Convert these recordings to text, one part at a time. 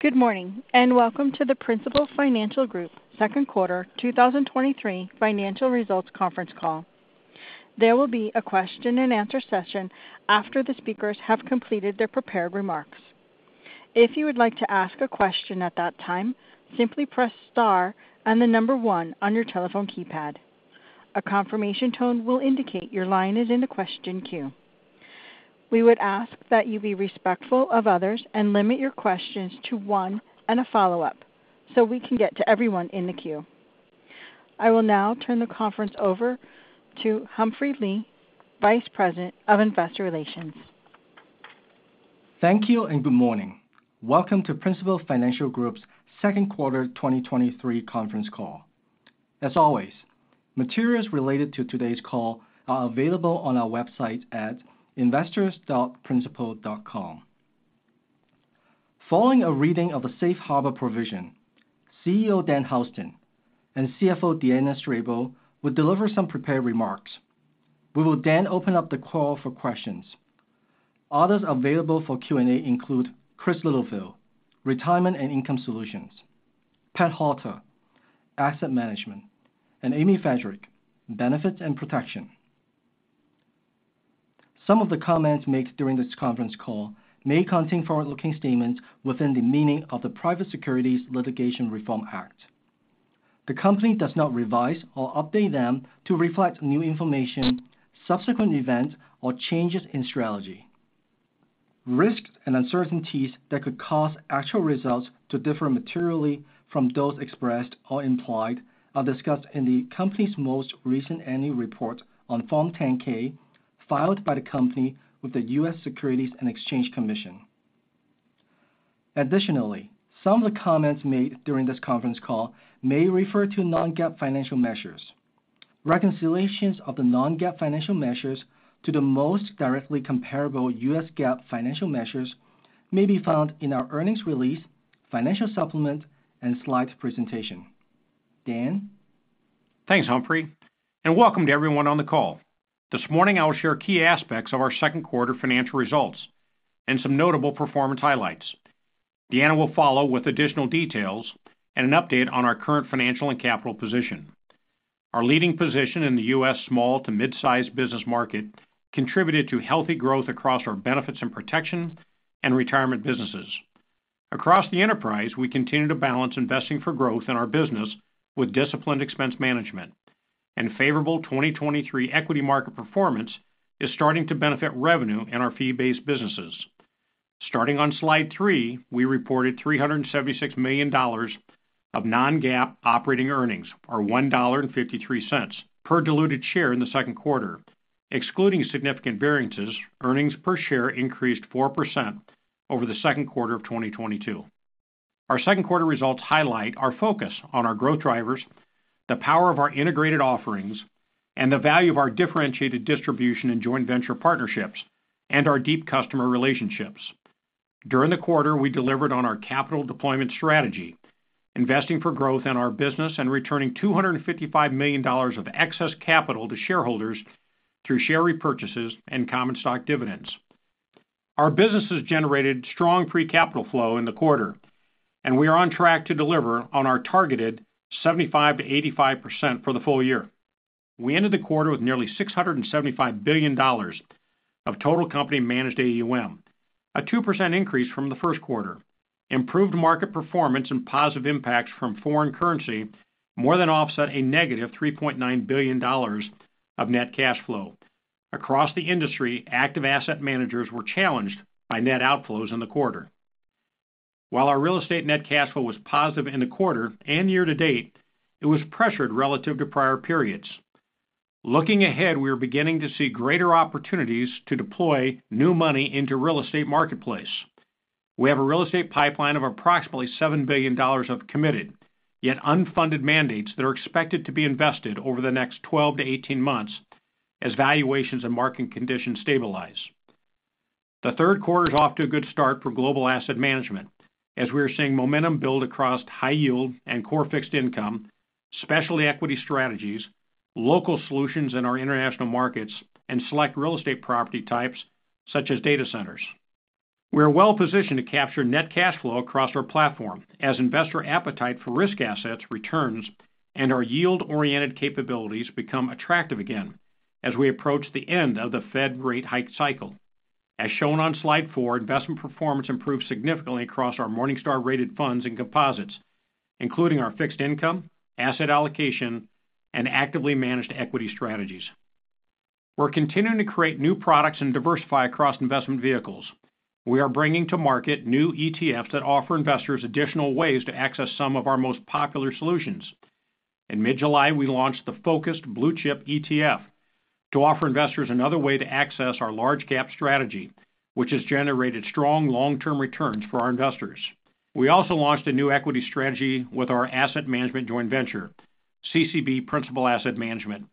Good morning, and welcome to the Principal Financial Group Q2 2023 Financial Results Conference Call. There will be a question-and-answer session after the speakers have completed their prepared remarks. If you would like to ask a question at that time, simply press star and the one on your telephone keypad. A confirmation tone will indicate your line is in the question queue. We would ask that you be respectful of others and limit your questions to 1 and a follow-up so we can get to everyone in the queue. I will now turn the conference over to Humphrey Lee, Vice President of Investor Relations. Thank you. Good morning. Welcome to Principal Financial Group's Q2 2023 Conference Call. As always, materials related to today's call are available on our website at investors.principal.com. Following a reading of the Safe Harbor provision, CEO Dan Houston and CFO Deanna Strable will deliver some prepared remarks. We will then open up the call for questions. Others available for Q&A include Chris Littlefield, Head of Retirement and Income Solutions, Pat Halter, Head of Asset Management, and Amy Friedrich, Benefits and Protection. Some of the comments made during this conference call may contain forward-looking statements within the meaning of the Private Securities Litigation Reform Act. The company does not revise or update them to reflect new information, subsequent events, or changes in strategy. Risks and uncertainties that could cause actual results to differ materially from those expressed or implied are discussed in the company's most recent annual report on Form 10-K, filed by the company with the US Securities and Exchange Commission. Additionally, some of the comments made during this conference call may refer to non-GAAP financial measures. Reconciliations of the non-GAAP financial measures to the most directly comparable US GAAP financial measures may be found in our earnings release, financial supplement, and slide presentation. Dan? Thanks, Humphrey, and welcome to everyone on the call. This morning, I will share key aspects of our Q2 financial results and some notable performance highlights. Deanna will follow with additional details and an update on our current financial and capital position. Our leading position in the U.S. small to mid-sized business market contributed to healthy growth across our Benefits and Protection and retirement businesses. Across the enterprise, we continue to balance investing for growth in our business with disciplined expense management. Favorable 2023 equity market performance is starting to benefit revenue in our fee-based businesses. Starting on slide three, we reported $376 million of non-GAAP operating earnings, or $1.53 per diluted share in the Q2. Excluding significant variances, earnings per share increased 4% over the Q2 of 2022. Our Q2 results highlight our focus on our growth drivers, the power of our integrated offerings, and the value of our differentiated distribution and joint venture partnerships and our deep customer relationships. During the quarter, we delivered on our capital deployment strategy, investing for growth in our business and returning $255 million of excess capital to shareholders through share repurchases and common stock dividends. Our businesses generated strong free capital flow in the quarter, and we are on track to deliver on our targeted 75%-85% for the full year. We ended the quarter with nearly $675 billion of total company managed AUM, a 2% increase from the Q1. Improved market performance and positive impacts from foreign currency more than offset a negative $3.9 billion of net cash flow. Across the industry, active asset managers were challenged by net outflows in the quarter. While our real estate net cash flow was positive in the quarter and year to date, it was pressured relative to prior periods. Looking ahead, we are beginning to see greater opportunities to deploy new money into real estate marketplace. We have a real estate pipeline of approximately $7 billion of committed, yet unfunded mandates that are expected to be invested over the next 12-18 months as valuations and market conditions stabilize. The Q3 is off to a good start for global asset management, as we are seeing momentum build across high yield and core fixed income, specialty equity strategies, local solutions in our international markets, and select real estate property types such as data centers. We are well positioned to capture net cash flow across our platform as investor appetite for risk assets returns and our yield-oriented capabilities become attractive again as we approach the end of the Fed rate hike cycle. As shown on slide four, investment performance improved significantly across our Morningstar-rated funds and composites, including our fixed income, asset allocation, and actively managed equity strategies. We're continuing to create new products and diversify across investment vehicles. We are bringing to market new ETFs that offer investors additional ways to access some of our most popular solutions. In mid-July, we launched the Focused Blue Chip ETF to offer investors another way to access our large cap strategy, which has generated strong long-term returns for our investors. We also launched a new equity strategy with our asset management joint venture, CCB Principal Asset Management.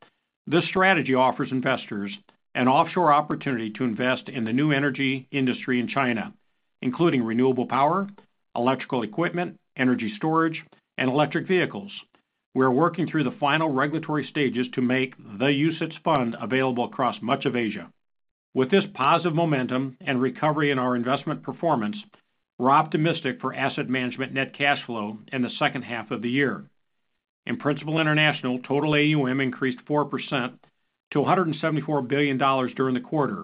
This strategy offers investors an offshore opportunity to invest in the new energy industry in China, including renewable power, electrical equipment, energy storage, and electric vehicles. We are working through the final regulatory stages to make the UCITS fund available across much of Asia. With this positive momentum and recovery in our investment performance, we're optimistic for asset management net cash flow in the second half of the year. In Principal International, total AUM increased 4% to $174 billion during the quarter,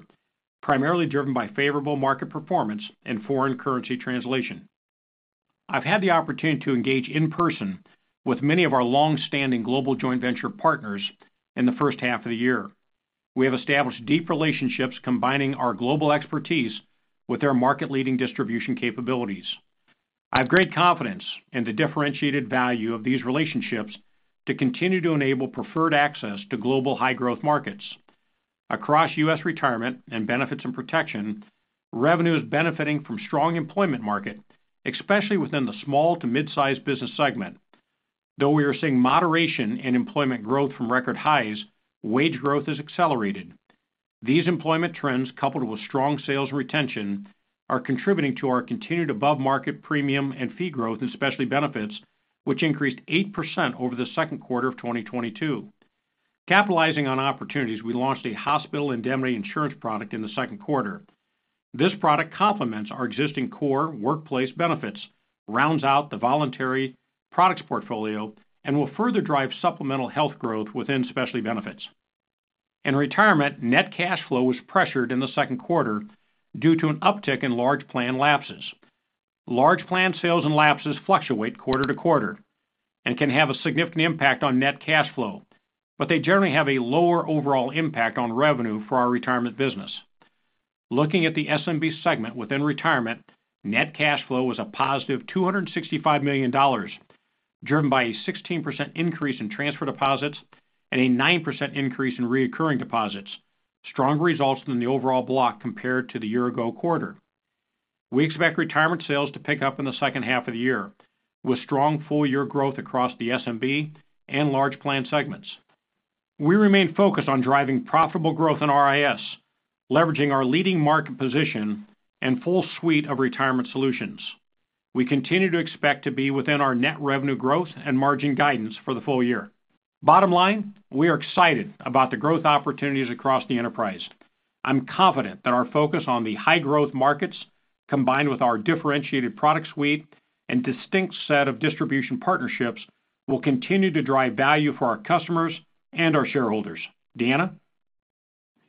primarily driven by favorable market performance and foreign currency translation. I've had the opportunity to engage in person with many of our long-standing global joint venture partners in the first half of the year. We have established deep relationships, combining our global expertise with their market-leading distribution capabilities. I have great confidence in the differentiated value of these relationships to continue to enable preferred access to global high-growth markets. Across U.S. retirement and Benefits and Protection, revenue is benefiting from strong employment market, especially within the small to mid-sized business segment. Though we are seeing moderation in employment growth from record highs, wage growth has accelerated. These employment trends, coupled with strong sales retention, are contributing to our continued above-market premium and fee growth in specialty benefits, which increased 8% over the Q2 of 2022. Capitalizing on opportunities, we launched a hospital indemnity insurance product in the Q2. This product complements our existing core workplace benefits, rounds out the voluntary products portfolio, and will further drive supplemental health growth within specialty benefits. In retirement, net cash flow was pressured in the Q2 due to an uptick in large plan lapses. Large plan sales and lapses fluctuate quarter-to-quarter and can have a significant impact on net cash flow, but they generally have a lower overall impact on revenue for our retirement business. Looking at the SMB segment within retirement, net cash flow was a positive $265 million, driven by a 16% increase in transfer deposits and a 9% increase in reoccurring deposits, stronger results than the overall block compared to the year-ago quarter. We expect retirement sales to pick up in the second half of the year, with strong full-year growth across the SMB and large plan segments. We remain focused on driving profitable growth in RIS, leveraging our leading market position and full suite of retirement solutions. We continue to expect to be within our net revenue growth and margin guidance for the full year. Bottom line, we are excited about the growth opportunities across the enterprise. I'm confident that our focus on the high-growth markets, combined with our differentiated product suite and distinct set of distribution partnerships, will continue to drive value for our customers and our shareholders. Deanna?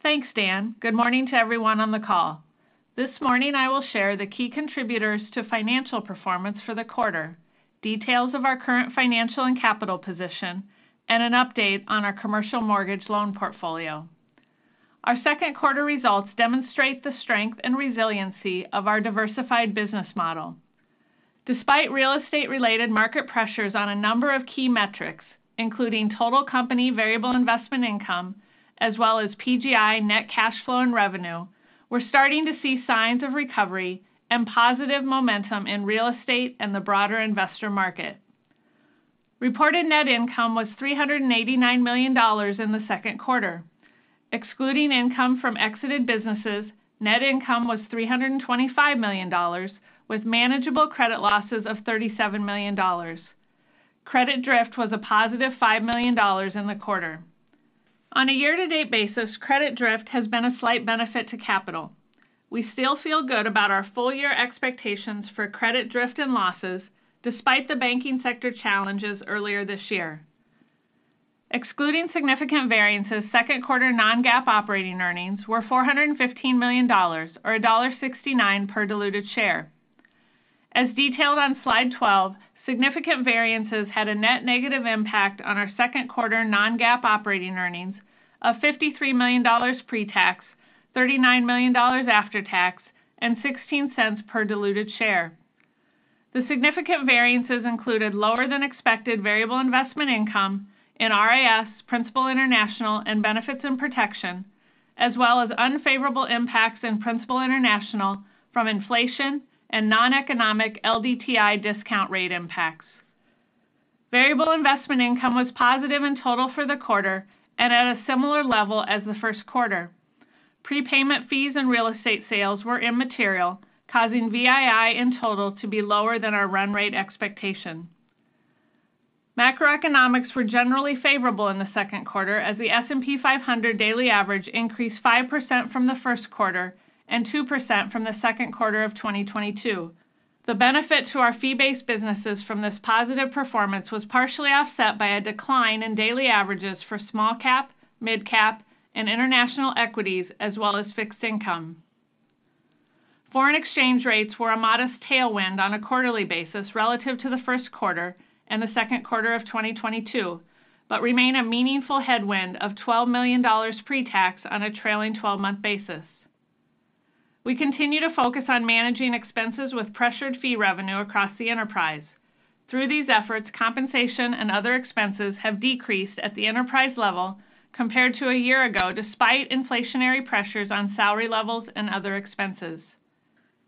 Thanks, Dan. Good morning to everyone on the call. This morning, I will share the key contributors to financial performance for the quarter, details of our current financial and capital position, and an update on our commercial mortgage loan portfolio. Our Q2 results demonstrate the strength and resiliency of our diversified business model. Despite real estate-related market pressures on a number of key metrics, including total company variable investment income, as well as PGI net cash flow and revenue, we're starting to see signs of recovery and positive momentum in real estate and the broader investor market. Reported net income was $389 million in the Q2. Excluding income from exited businesses, net income was $325 million, with manageable credit losses of $37 million. Credit drift was a positive $5 million in the quarter. On a year-to-date basis, credit drift has been a slight benefit to capital. We still feel good about our full year expectations for credit drift and losses, despite the banking sector challenges earlier this year. Excluding significant variances, Q2 non-GAAP operating earnings were $415 million, or $1.69 per diluted share. As detailed on slide twelve, significant variances had a net negative impact on our Q2 non-GAAP operating earnings of $53 million pre-tax, $39 million after tax, and $0.16 per diluted share. The significant variances included lower than expected variable investment income in RIS, Principal International, and Benefits and Protection, as well as unfavorable impacts in Principal International from inflation and non-economic LDTI discount rate impacts. Variable investment income was positive in total for the quarter and at a similar level as the Q1. Prepayment fees and real estate sales were immaterial, causing VII in total to be lower than our run rate expectation. Macroeconomics were generally favorable in the Q2, as the S&P 500 daily average increased 5% from the Q1 and 2% from the Q2 of 2022. The benefit to our fee-based businesses from this positive performance was partially offset by a decline in daily averages for small cap, mid-cap, and international equities, as well as fixed income. Foreign exchange rates were a modest tailwind on a quarterly basis relative to the Q1 and the Q2 of 2022, but remain a meaningful headwind of $12 million pre-tax on a trailing twelve-month basis. We continue to focus on managing expenses with pressured fee revenue across the enterprise. Through these efforts, compensation and other expenses have decreased at the enterprise level compared to a year ago, despite inflationary pressures on salary levels and other expenses.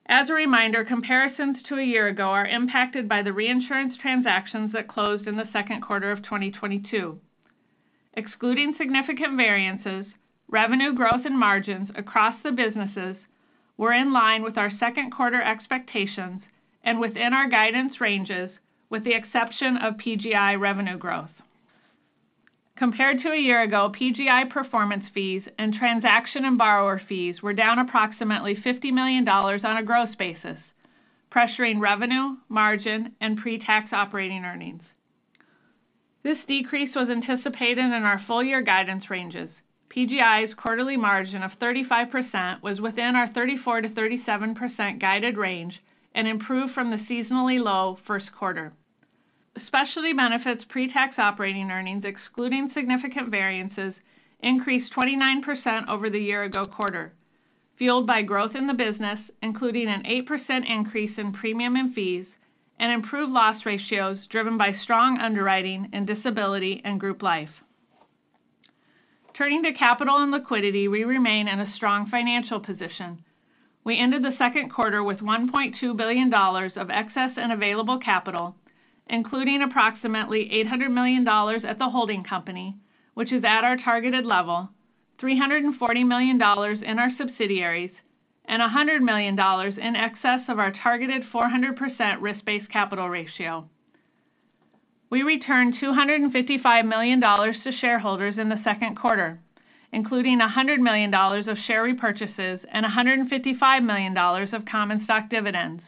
As a reminder, comparisons to a year ago are impacted by the reinsurance transactions that closed in the Q2 of 2022. Excluding significant variances, revenue growth and margins across the businesses were in line with our Q2 expectations and within our guidance ranges, with the exception of PGI revenue growth. Compared to a year ago, PGI performance fees and transaction and borrower fees were down approximately $50 million on a gross basis, pressuring revenue, margin, and pretax operating earnings. This decrease was anticipated in our full year guidance ranges. PGI's quarterly margin of 35% was within our 34%-37% guided range and improved from the seasonally low Q1. Specialty benefits pretax operating earnings, excluding significant variances, increased 29% over the year ago quarter, fueled by growth in the business, including an 8% increase in premium and fees, and improved loss ratios, driven by strong underwriting and disability and group life. Turning to capital and liquidity, we remain in a strong financial position. We ended the Q2 with $1.2 billion of excess and available capital, including approximately $800 million at the holding company, which is at our targeted level, $340 million in our subsidiaries, and $100 million in excess of our targeted 400% risk-based capital ratio. We returned $255 million to shareholders in the Q2, including $100 million of share repurchases and $155 million of common stock dividends.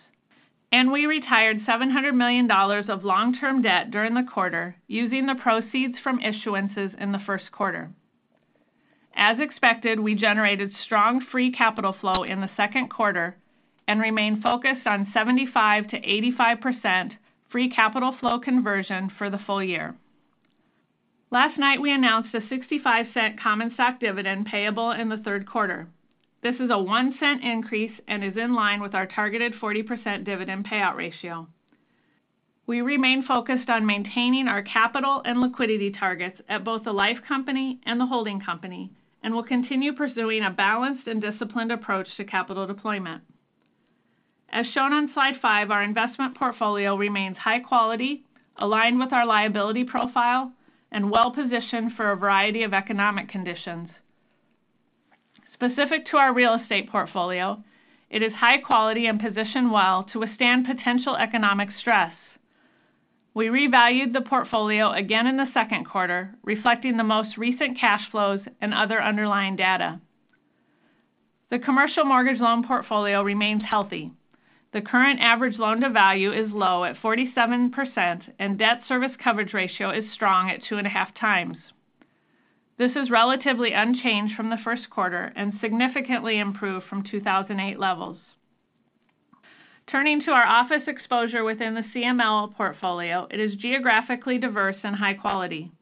We retired $700 million of long-term debt during the quarter using the proceeds from issuances in the Q1. As expected, we generated strong free capital flow in the Q2 and remain focused on 75%-85% free capital flow conversion for the full year. Last night, we announced a $0.65 common stock dividend payable in the Q3. This is a $0.01 increase and is in line with our targeted 40% dividend payout ratio. We remain focused on maintaining our capital and liquidity targets at both the life company and the holding company and will continue pursuing a balanced and disciplined approach to capital deployment. As shown on slide 5, our investment portfolio remains high quality, aligned with our liability profile, and well-positioned for a variety of economic conditions. Specific to our real estate portfolio, it is high quality and positioned well to withstand potential economic stress. We revalued the portfolio again in the Q2, reflecting the most recent cash flows and other underlying data. The commercial mortgage loan portfolio remains healthy. The current average loan-to-value is low at 47%, and debt service coverage ratio is strong at 2.5 times. This is relatively unchanged from the Q1 and significantly improved from 2008 levels. Turning to our office exposure within the CML portfolio, it is geographically diverse and high quality.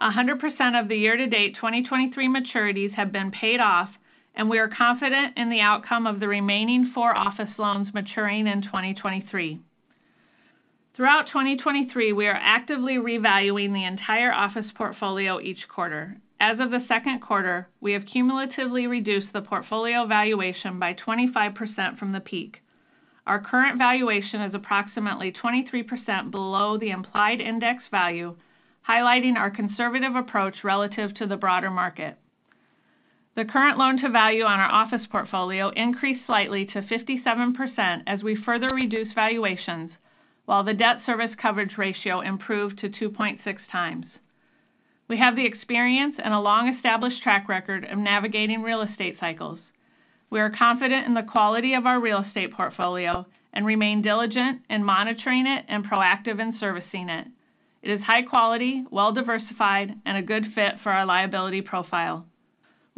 100% of the year-to-date 2023 maturities have been paid off. We are confident in the outcome of the remaining four office loans maturing in 2023. Throughout 2023, we are actively revaluing the entire office portfolio each quarter. As of the Q2, we have cumulatively reduced the portfolio valuation by 25% from the peak. Our current valuation is approximately 23% below the implied index value, highlighting our conservative approach relative to the broader market. The current loan-to-value on our office portfolio increased slightly to 57% as we further reduced valuations, while the debt service coverage ratio improved to 2.6 times. We have the experience and a long-established track record of navigating real estate cycles. We are confident in the quality of our real estate portfolio and remain diligent in monitoring it and proactive in servicing it. It is high quality, well-diversified, and a good fit for our liability profile.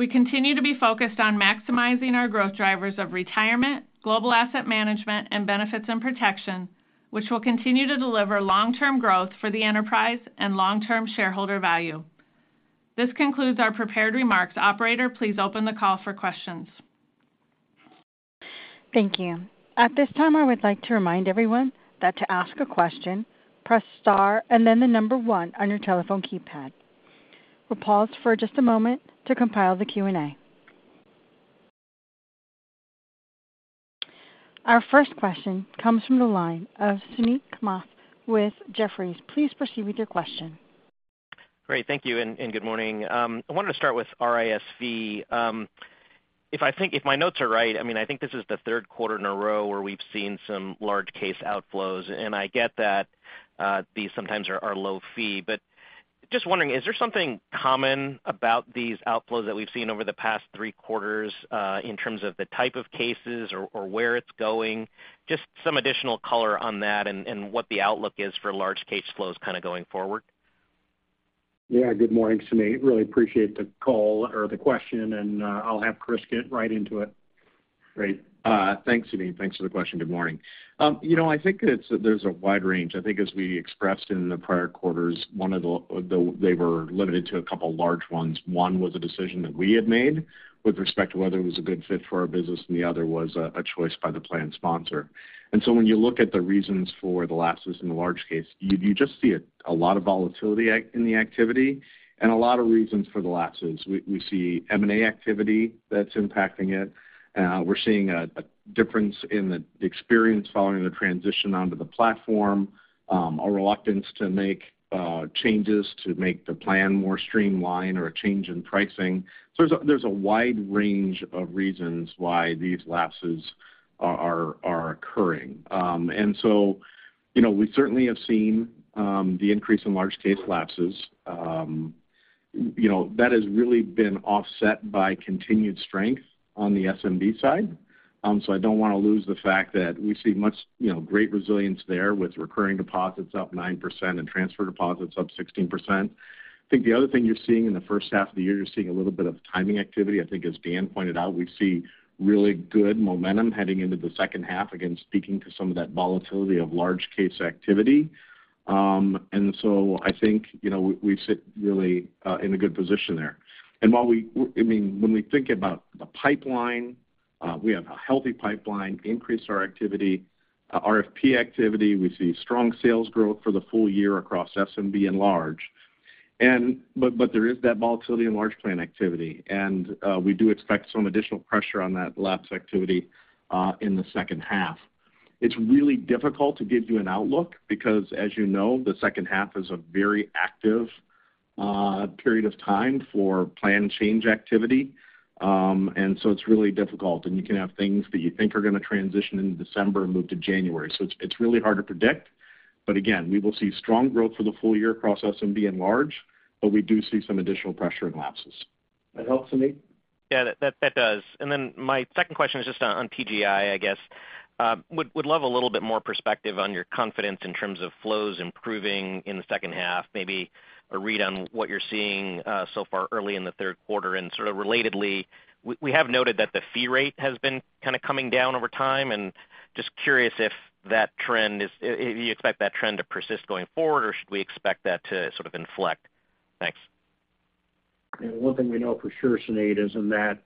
We continue to be focused on maximizing our growth drivers of Retirement, global asset management, and Benefits and Protection, which will continue to deliver long-term growth for the enterprise and long-term shareholder value. This concludes our prepared remarks. Operator, please open the call for questions. Thank you. At this time, I would like to remind everyone that to ask a question, press star and then the number one on your telephone keypad. We'll pause for just a moment to compile the Q&A. Our first question comes from the line of Suneet Kamath with Jefferies. Please proceed with your question. Great. Thank you, and good morning. I wanted to start with RIS. If my notes are right, I mean, I think this is the Q3 in a row where we've seen some large case outflows, and I get that, these sometimes are low fee. Just wondering, is there something common about these outflows that we've seen over the past three quarters, in terms of the type of cases or where it's going? Just some additional color on that and what the outlook is for large case flows kind of going forward. Yeah, good morning, Suneet. Really appreciate the call or the question. I'll have Chris get right into it.... Great. Thanks, Suneet. Thanks for the question. Good morning. you know, I think there's a wide range. I think as we expressed in the prior quarters, one of the, the, they were limited to a couple of large ones. One was a decision that we had made with respect to whether it was a good fit for our business, and the other was, a choice by the plan sponsor. When you look at the reasons for the lapses in the large case, you, you just see a, a lot of volatility in the activity and a lot of reasons for the lapses. We, we see M&A activity that's impacting it. We're seeing a difference in the experience following the transition onto the platform, a reluctance to make changes to make the plan more streamlined or a change in pricing. There's a wide range of reasons why these lapses are occurring. You know, we certainly have seen the increase in large case lapses. You know, that has really been offset by continued strength on the SMB side. I don't want to lose the fact that we see much, you know, great resilience there with recurring deposits up 9% and transfer deposits up 16%. I think the other thing you're seeing in the first half of the year, you're seeing a little bit of timing activity. I think as Dan pointed out, we see really good momentum heading into the second half, again, speaking to some of that volatility of large case activity. So I think, you know, we, we sit really in a good position there. While we, I mean, when we think about the pipeline, we have a healthy pipeline, increased our activity, RFP activity. We see strong sales growth for the full year across SMB and large. But there is that volatility in large plan activity, and we do expect some additional pressure on that lapse activity in the second half. It's really difficult to give you an outlook because, as you know, the second half is a very active period of time for plan change activity. It's really difficult, and you can have things that you think are going to transition in December and move to January. It's really hard to predict. Again, we will see strong growth for the full year across SMB and large, but we do see some additional pressure in lapses. That help, Suneet? Yeah, that, that does. My second question is just on PGI, I guess. Would love a little bit more perspective on your confidence in terms of flows improving in the second half, maybe a read on what you're seeing, so far early in the Q3. Sort of relatedly, we have noted that the fee rate has been kind of coming down over time, and just curious if that trend is? Do you expect that trend to persist going forward, or should we expect that to sort of inflect? Thanks. Yeah, one thing we know for sure, Suneet, is in that,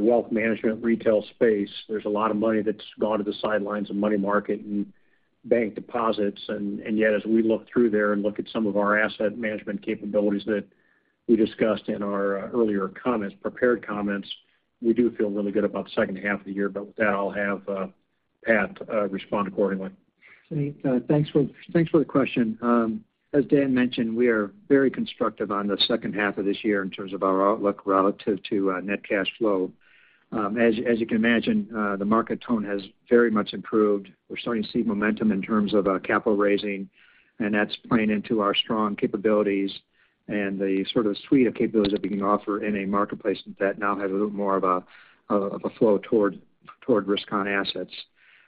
wealth management retail space, there's a lot of money that's gone to the sidelines of money market and bank deposits. Yet, as we look through there and look at some of our Asset Management capabilities that we discussed in our earlier comments, prepared comments, we do feel really good about the second half of the year. With that, I'll have Pat respond accordingly. Suneet, thanks for, thanks for the question. As Dan mentioned, we are very constructive on the second half of this year in terms of our outlook relative to net cash flow. As, as you can imagine, the market tone has very much improved. We're starting to see momentum in terms of capital raising, and that's playing into our strong capabilities and the sort of suite of capabilities that we can offer in a marketplace that now has a little more of a flow toward, toward risk on assets.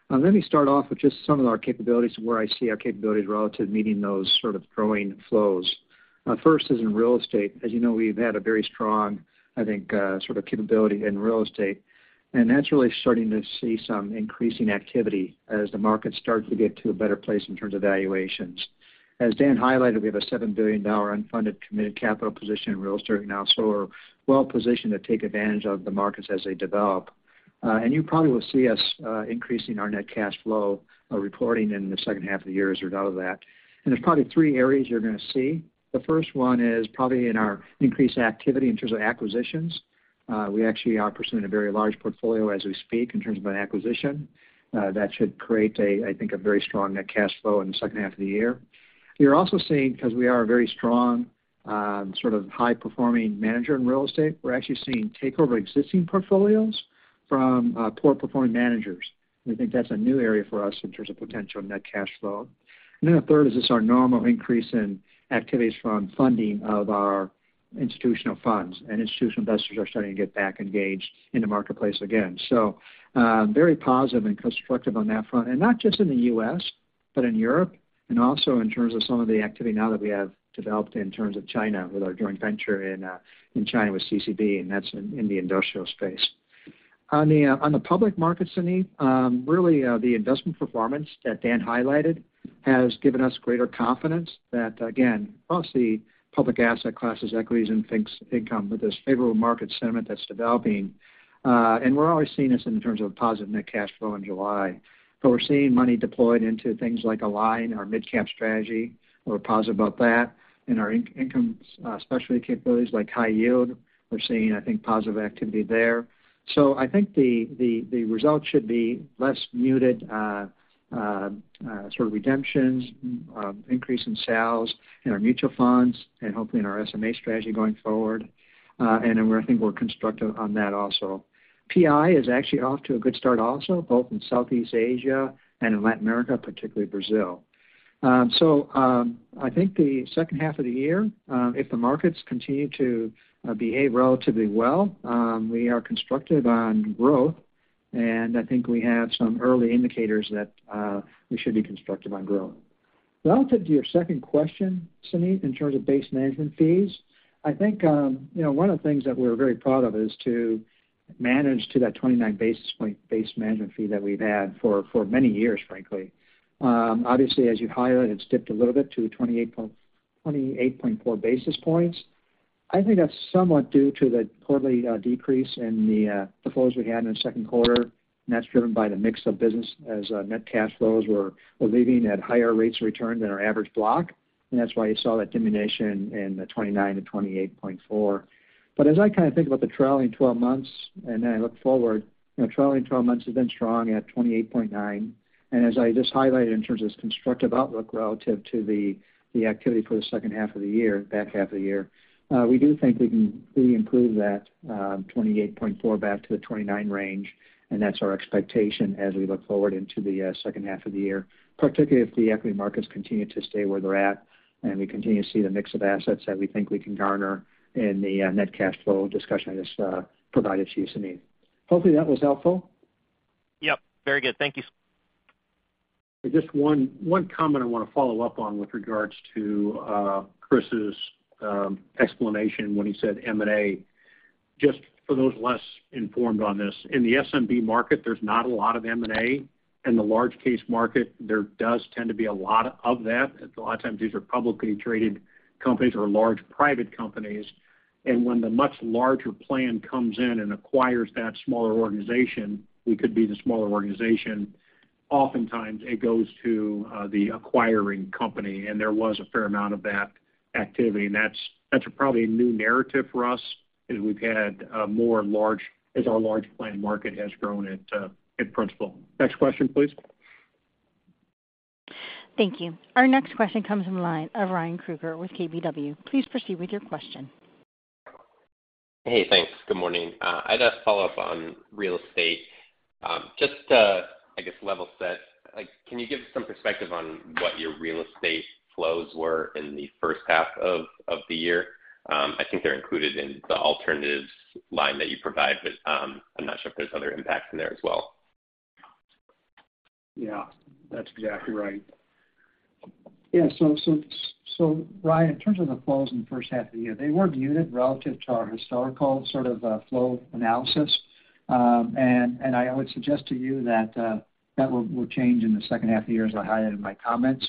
Let me start off with just some of our capabilities and where I see our capabilities relative to meeting those sort of growing flows. First is in real estate. As you know, we've had a very strong, I think, sort of capability in real estate, and that's really starting to see some increasing activity as the market starts to get to a better place in terms of valuations. As Dan highlighted, we have a $7 billion unfunded committed capital position in real estate right now, so we're well positioned to take advantage of the markets as they develop. You probably will see us increasing our net cash flow reporting in the second half of the year as a result of that. There's probably three areas you're going to see. The first one is probably in our increased activity in terms of acquisitions. We actually are pursuing a very large portfolio as we speak, in terms of an acquisition. That should create a, I think, a very strong net cash flow in the second half of the year. We're also seeing, because we are a very strong, sort of high-performing manager in real estate, we're actually seeing takeover existing portfolios from poor performing managers. We think that's a new area for us in terms of potential net cash flow. The third is just our normal increase in activities from funding of our institutional funds, and institutional investors are starting to get back engaged in the marketplace again. Very positive and constructive on that front, and not just in the US but in Europe, and also in terms of some of the activity now that we have developed in terms of China, with our joint venture in China with CCB, and that's in the industrial space. On the, on the public market, Suneet, really, the investment performance that Dan highlighted has given us greater confidence that, again, across the public asset classes, equities, and fixed income, with this favorable market sentiment that's developing, we're already seeing this in terms of positive net cash flow in July. We're seeing money deployed into things like Align, our midcap strategy. We're positive about that. In our income, specialty capabilities, like high yield, we're seeing, I think, positive activity there. I think the, the, the results should be less muted, sort of redemptions, increase in sales in our mutual funds, hopefully in our SMA strategy going forward. Then we're, I think we're constructive on that also. PI is actually off to a good start also, both in Southeast Asia and in Latin America, particularly Brazil. I think the second half of the year, if the markets continue to behave relatively well, we are constructive on growth, and I think we have some early indicators that we should be constructive on growth. Relative to your second question, Suneet, in terms of base management fees, I think, you know, one of the things that we're very proud of is to manage to that 29 basis point base management fee that we've had for many years, frankly. Obviously, as you hire, it's dipped a little bit to 28.4 basis points. I think that's somewhat due to the quarterly decrease in the flows we had in the Q2, and that's driven by the mix of business as net cash flows were leaving at higher rates of return than our average block. And that's why you saw that diminution in the 29%-28.4%. But as I kinda think about the trailing twelve months, and then I look forward, you know, trailing twelve months has been strong at 28.9%. As I just highlighted in terms of this constructive outlook relative to the activity for the second half of the year, back half of the year, we do think we can really improve that 28.4 back to the 29 range, and that's our expectation as we look forward into the second half of the year, particularly if the equity markets continue to stay where they're at, and we continue to see the mix of assets that we think we can garner in the net cash flow discussion I just provided to you, Suneet. Hopefully, that was helpful? Yep, very good. Thank you. Just one, one comment I wanna follow up on with regards to Chris's explanation when he said M&A. Just for those less informed on this, in the SMB market, there's not a lot of M&A. In the large case market, there does tend to be a lot of that. A lot of times these are publicly traded companies or large private companies, and when the much larger plan comes in and acquires that smaller organization, we could be the smaller organization, oftentimes it goes to the acquiring company, and there was a fair amount of that activity. That's, that's probably a new narrative for us, is we've had more large-- as our large plan market has grown at Principal. Next question, please. Thank you. Our next question comes from the line of Ryan Kruger with KBW. Please proceed with your question. Hey, thanks. Good morning. I'd ask follow-up on real estate. Just to, I guess, level set, like, can you give some perspective on what your real estate flows were in the first half of the year? I think they're included in the alternatives line that you provide, but I'm not sure if there's other impacts in there as well. Yeah, that's exactly right. Yeah, Ryan, in terms of the flows in the first half of the year, they were muted relative to our historical sort of flow analysis. And I would suggest to you that that will change in the second half of the year, as I highlighted in my comments.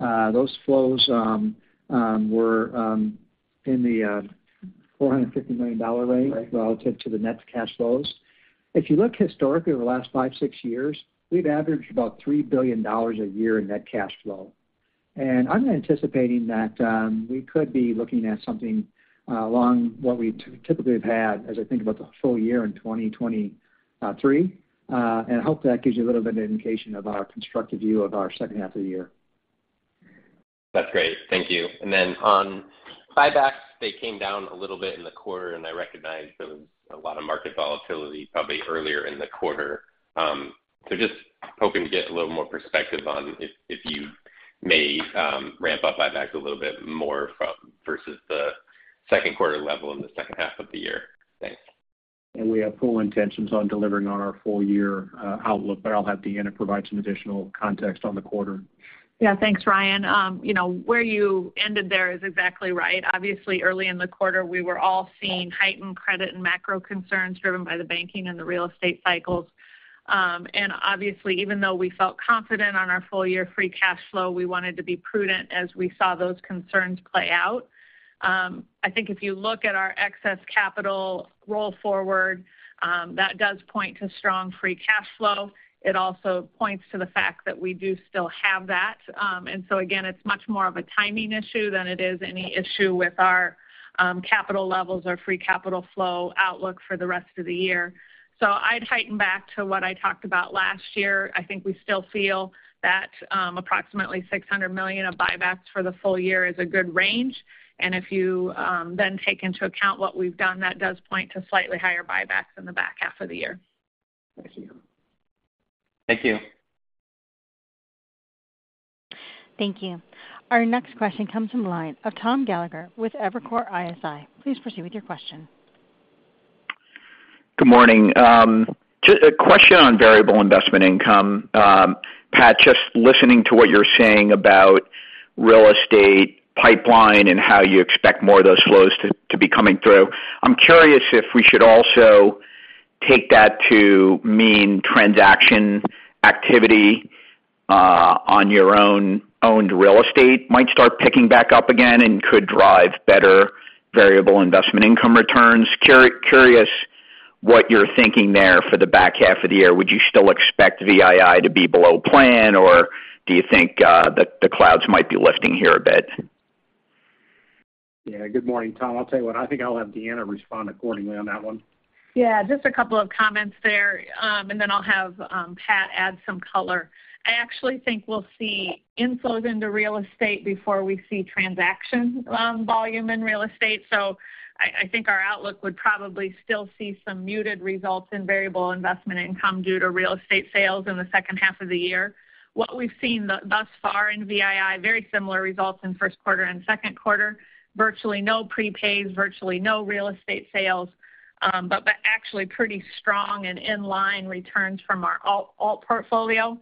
Those flows were in the $450 million range relative to the net cash flows. If you look historically, over the last five, six years, we've averaged about $3 billion a year in net cash flow. And I'm anticipating that we could be looking at something along what we typically have had as I think about the full year in 2023. I hope that gives you a little bit of indication of our constructive view of our second half of the year. That's great. Thank you. Then on buybacks, they came down a little bit in the quarter, and I recognize there was a lot of market volatility probably earlier in the quarter. So just hoping to get a little more perspective on if, if you may, ramp up buybacks a little bit more from versus the Q2 level in the second half of the year. Thanks. We have full intentions on delivering on our full year outlook, but I'll have Deanna provide some additional context on the quarter. Yeah. Thanks, Ryan. You know, where you ended there is exactly right. Obviously, early in the quarter, we were all seeing heightened credit and macro concerns driven by the banking and the real estate cycles. Obviously, even though we felt confident on our full year free cash flow, we wanted to be prudent as we saw those concerns play out. I think if you look at our excess capital roll forward, that does point to strong free cash flow. It also points to the fact that we do still have that. So again, it's much more of a timing issue than it is any issue with our capital levels or free capital flow outlook for the rest of the year. So I'd heighten back to what I talked about last year. I think we still feel that, approximately $600 million of buybacks for the full year is a good range, and if you then take into account what we've done, that does point to slightly higher buybacks in the back half of the year. Thank you. Thank you. Thank you. Our next question comes from line of Tom Gallagher with Evercore ISI. Please proceed with your question. Good morning. Just a question on variable investment income. Pat, just listening to what you're saying about real estate pipeline and how you expect more of those flows to be coming through, I'm curious if we should also take that to mean transaction activity on your own-owned real estate might start picking back up again and could drive better variable investment income returns. Curious what you're thinking there for the back half of the year? Would you still expect VII to be below plan, or do you think the clouds might be lifting here a bit? Yeah. Good morning, Tom. I'll tell you what, I think I'll have Deanna respond accordingly on that one. Yeah, just a couple of comments there, and then I'll have Pat add some color. I actually think we'll see inflows into real estate before we see transaction volume in real estate. I, I think outlook would probably still see some muted results in variable investment income due to real estate sales in the second half of the year. What we've seen thus far in VII, very similar results in Q1 and Q2. Virtually no prepays, virtually no real estate sales, but actually pretty strong and in-line returns from our alt, alt portfolio.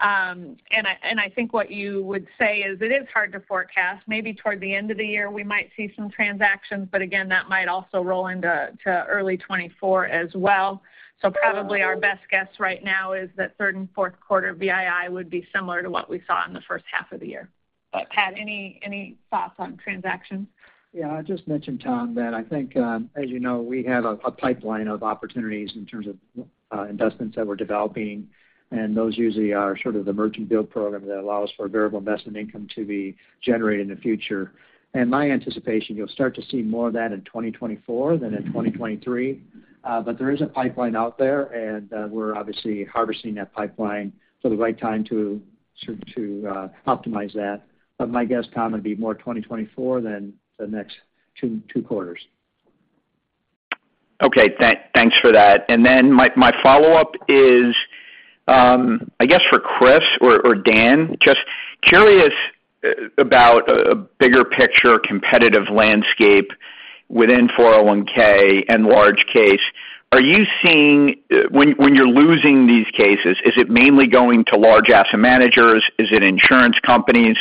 And I, and I think what you would say is it is hard to forecast. Maybe toward the end of the year, we might see some transactions, but again, that might also roll into, to early 2024 as well. Probably our best guess right now is that Q3 and Q4 VII would be similar to what we saw in the 1st half of the year. Pat, any, any thoughts on transactions? Yeah, I just mentioned, Tom, that I think, as you know, we have a pipeline of opportunities in terms of investments that we're developing, and those usually are sort of the merchant build program that allows for variable investment income to be generated in the future. My anticipation, you'll start to see more of that in 2024 than in 2023. There is a pipeline out there, and we're obviously harvesting that pipeline for the right time to optimize that. My guess, Tom, it'd be more 2024 than the next two quarters. Okay. Thanks for that. Then my, my follow-up is, I guess, for Chris or, or Dan, just curious about a bigger picture, competitive landscape within 401 and large case. Are you seeing, when, when you're losing these cases, is it mainly going to large asset managers? Is it insurance companies?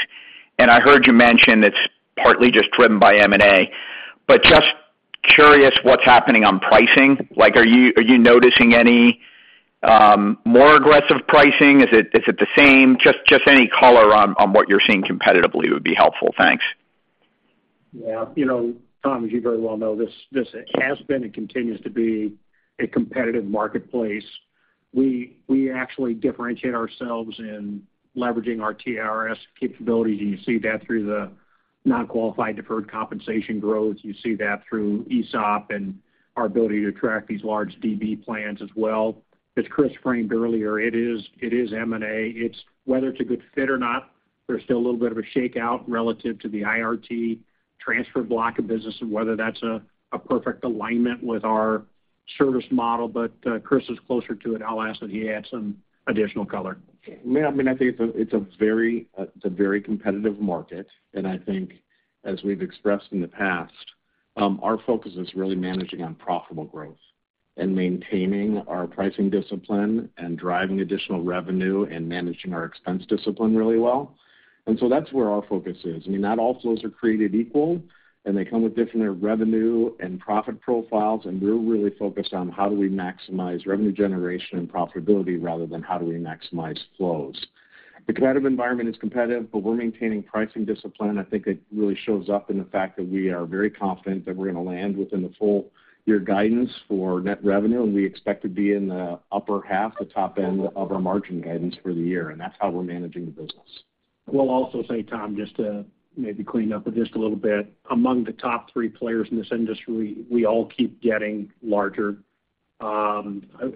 I heard you mention it's partly just driven by M&A. Just curious what's happening on pricing. Like, are you, are you noticing any more aggressive pricing? Is it, is it the same? Just, just any color on, on what you're seeing competitively would be helpful. Thanks. Yeah. You know, Tom, as you very well know, this has been and continues to be a competitive marketplace. We actually differentiate ourselves in leveraging our TRS capabilities, and you see that through the non-qualified deferred compensation growth. You see that through ESOP and our ability to track these large DB plans as well. As Chris framed earlier, it is M&A. It's whether it's a good fit or not, there's still a little bit of a shakeout relative to the IRT transfer block of business and whether that's a perfect alignment with our service model. Chris is closer to it. I'll ask that he add some additional color. Yeah, I mean, I think it's a, it's a very competitive market, and I think as we've expressed in the past, our focus is really managing on profitable growth and maintaining our pricing discipline, and driving additional revenue, and managing our expense discipline really well. That's where our focus is. I mean, not all flows are created equal, and they come with different revenue and profit profiles, and we're really focused on how do we maximize revenue generation and profitability rather than how do we maximize flows. The competitive environment is competitive, but we're maintaining pricing discipline. I think it really shows up in the fact that we are very confident that we're going to land within the full year guidance for net revenue, and we expect to be in the upper half, the top end of our margin guidance for the year, and that's how we're managing the business. We'll also say, Tom, just to maybe clean it up just a little bit, among the top three players in this industry, we all keep getting larger.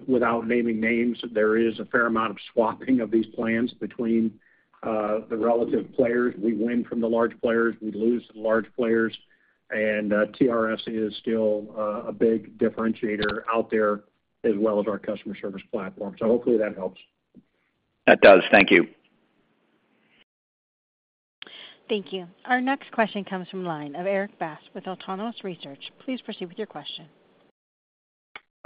Without naming names, there is a fair amount of swapping of these plans between the relative players. We win from the large players, we lose to the large players, and TRS is still a big differentiator out there, as well as our customer service platform, so hopefully that helps. That does. Thank you. Thank you. Our next question comes from line of Erik Bass with Autonomous Research. Please proceed with your question.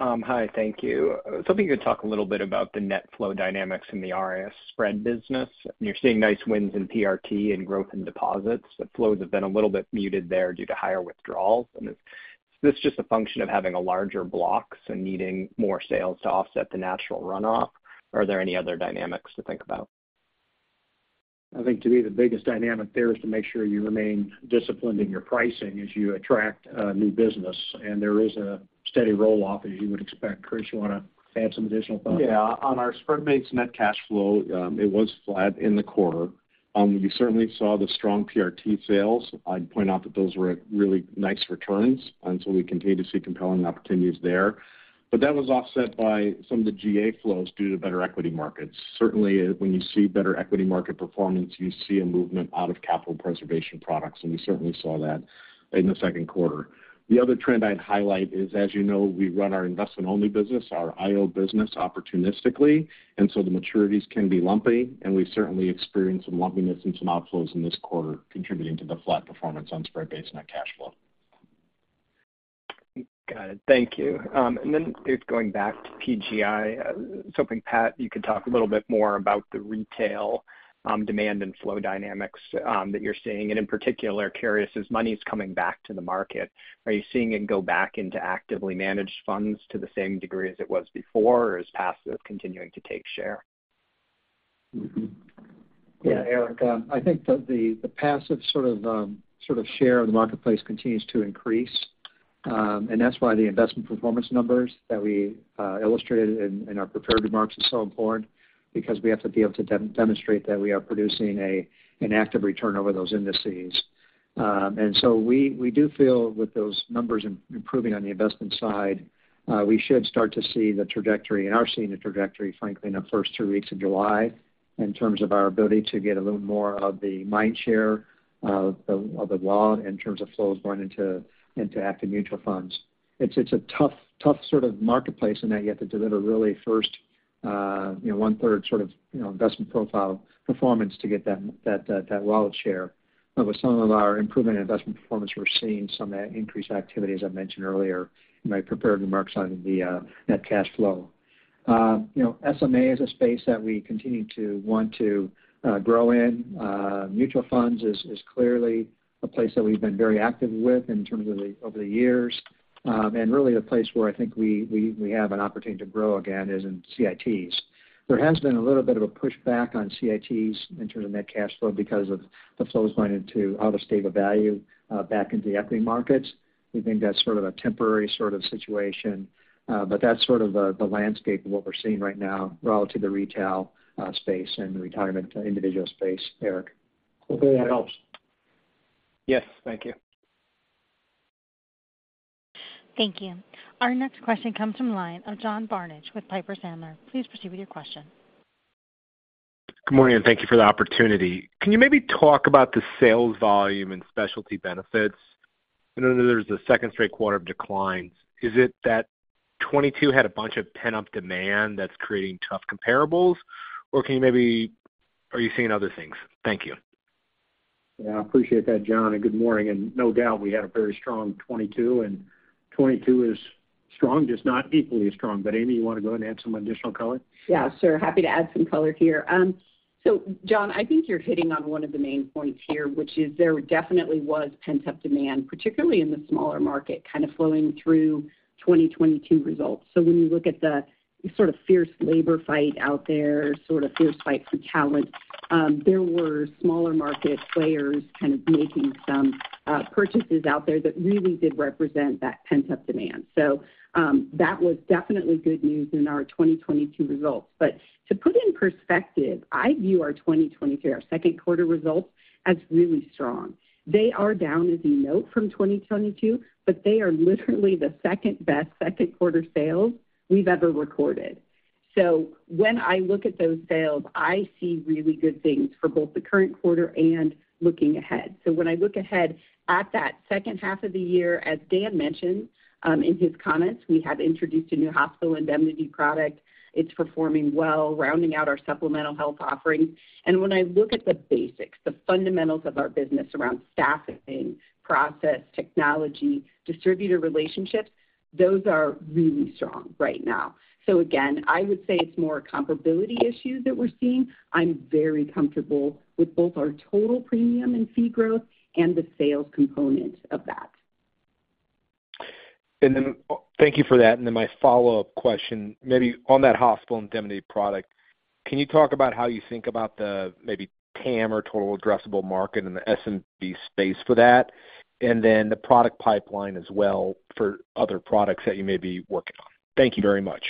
Hi, thank you. I was hoping you could talk a little bit about the net flow dynamics in the RAS spread business. You're seeing nice wins in PRT and growth in deposits. The flows have been a little bit muted there due to higher withdrawals. Is this just a function of having a larger block so needing more sales to offset the natural runoff, or are there any other dynamics to think about? I think to me, the biggest dynamic there is to make sure you remain disciplined in your pricing as you attract, new business, and there is a steady roll-off, as you would expect. Chris, you want to add some additional thoughts? Yeah. On our spread-based net cash flow, it was flat in the quarter. We certainly saw the strong PRT sales. I'd point out that those were at really nice returns, so we continue to see compelling opportunities there. That was offset by some of the GA flows due to better equity markets. Certainly, when you see better equity market performance, you see a movement out of capital preservation products, and we certainly saw that in the Q2. The other trend I'd highlight is, as you know, we run our investment-only business, our IO business, opportunistically, so the maturities can be lumpy, and we've certainly experienced some lumpiness and some outflows in this quarter, contributing to the flat performance on spread-based net cash flow. Got it. Thank you. Just going back to PGI, hoping, Pat, you could talk a little bit more about the retail demand and flow dynamics that you're seeing. In particular, curious, as money's coming back to the market, are you seeing it go back into actively managed funds to the same degree as it was before, or is passive continuing to take share? Yeah, Erik, I think the passive sort of share of the marketplace continues to increase. That's why the investment performance numbers that we illustrated in our prepared remarks are so important because we have to be able to demonstrate that we are producing an active return over those indices. We, we do feel with those numbers im- improving on the investment side, we should start to see the trajectory, and are seeing the trajectory, frankly, in the first two weeks of July. In terms of our ability to get a little more of the mind share of the, of the wallet in terms of flows going into, into active mutual funds. It's, it's a tough, tough sort of marketplace in that you have to deliver really first, you know, one third sort of, you know, investment profile performance to get that, that, that, that wallet share. With some of our improvement in investment performance, we're seeing some increased activity, as I mentioned earlier, in my prepared remarks on the net cash flow. You know, SMA is a space that we continue to want to grow in. Mutual funds is, is clearly a place that we've been very active with in terms of the, over the years. Really the place where I think we, we, we have an opportunity to grow again is in CITs. There has been a little bit of a pushback on CITs in terms of net cash flow because of the flows going into out-of-state of value, back into the equity markets. We think that's sort of a temporary sort of situation, but that's sort of the, the landscape of what we're seeing right now relative to the retail, space and the retirement individual space, Erik. Hopefully, that helps. Yes. Thank you. Thank you. Our next question comes from line of John Barnidge with Piper Sandler. Please proceed with your question. Good morning, and thank you for the opportunity. Can you maybe talk about the sales volume and Specialty Benefits? I know there's a second straight quarter of declines. Is it that 2022 had a bunch of pent-up demand that's creating tough comparables, or can you are you seeing other things? Thank you. Yeah, I appreciate that, John, and good morning. No doubt, we had a very strong 2022, and 2022 is strong, just not equally as strong. Amy, you want to go ahead and add some additional color? Yeah, sure. Happy to add some color here. John, I think you're hitting on one of the main points here, which is there definitely was pent-up demand, particularly in the smaller market, kind of flowing through 2022 results. When you look at the sort of fierce labor fight out there, sort of fierce fight for talent, there were smaller market players kind of making some purchases out there that really did represent that pent-up demand. That was definitely good news in our 2022 results. To put it in perspective, I view our 2023, our Q2 results, as really strong. They are down, as you note, from 2022, but they are literally the second-best Q2 sales we've ever recorded. When I look at those sales, I see really good things for both the current quarter and looking ahead. When I look ahead at that second half of the year, as Dan mentioned, in his comments, we have introduced a new hospital indemnity product. It's performing well, rounding out our supplemental health offerings. When I look at the basics, the fundamentals of our business around staffing, process, technology, distributor relationships, those are really strong right now. Again, I would say it's more a comparability issue that we're seeing. I'm very comfortable with both our total premium and fee growth and the sales component of that. Thank you for that. Then my follow-up question, maybe on that hospital indemnity product, can you talk about how you think about the maybe TAM or total addressable market in the S&P space for that, and then the product pipeline as well for other products that you may be working on? Thank you very much.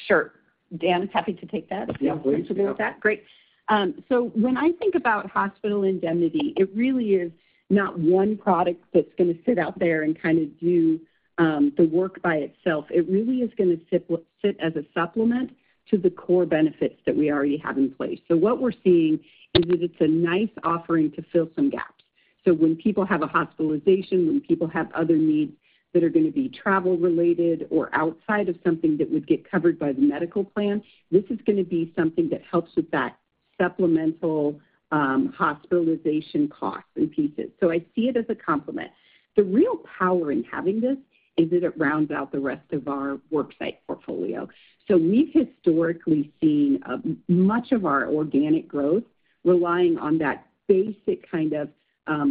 Sure. Dan, happy to take that? Yeah, please. Comfortable with that? Great. When I think about hospital indemnity, it really is not one product that's going to sit out there and kind of do the work by itself. It really is going to sit as a supplement to the core benefits that we already have in place. What we're seeing is that it's a nice offering to fill some gaps. When people have a hospitalization, when people have other needs that are going to be travel related or outside of something that would get covered by the medical plan, this is gonna be something that helps with that supplemental hospitalization costs and pieces. I see it as a complement. The real power in having this is that it rounds out the rest of our worksite portfolio. We've historically seen much of our organic growth relying on that basic kind of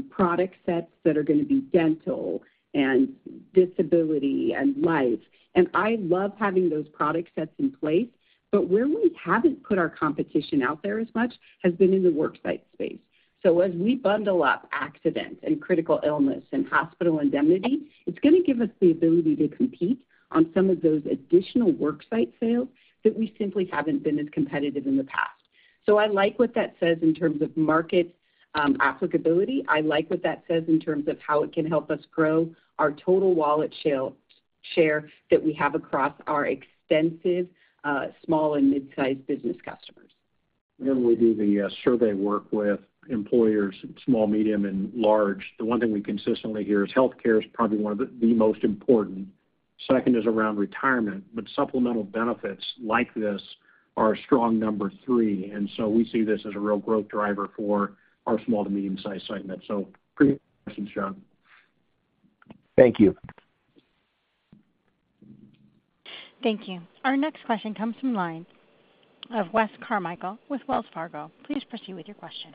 product sets that are gonna be dental and disability and life. I love having those product sets in place, but where we haven't put our competition out there as much has been in the worksite space. As we bundle up accident and critical illness and hospital indemnity, it's gonna give us the ability to compete on some of those additional worksite sales that we simply haven't been as competitive in the past. I like what that says in terms of market applicability. I like what that says in terms of how it can help us grow our total wallet share, share that we have across our extensive small and mid-sized business customers. When we do the survey work with employers, small, medium, and large, the one thing we consistently hear is healthcare is probably one of the most important. Second is around retirement, but supplemental benefits like this are a strong number three, and we see this as a real growth driver for our small to medium-sized segment. Pretty question, John. Thank you. Thank you. Our next question comes from line of Wes Carmichael with Wells Fargo. Please proceed with your question.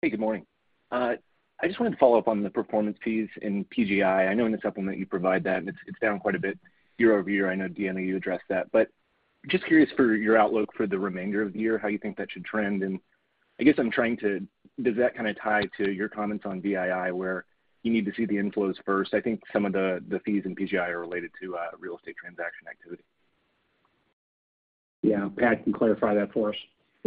Hey, good morning. I just wanted to follow up on the performance fees in PGI. I know in the supplement you provide that, and it's, it's down quite a bit year-over-year. I know, Deanna, you addressed that, but just curious for your outlook for the remainder of the year, how you think that should trend? Does that kind of tie to your comments on VII, where you need to see the inflows first? I think some of the, the fees in PGI are related to real estate transaction activity. Yeah, Pat, can you clarify that for us?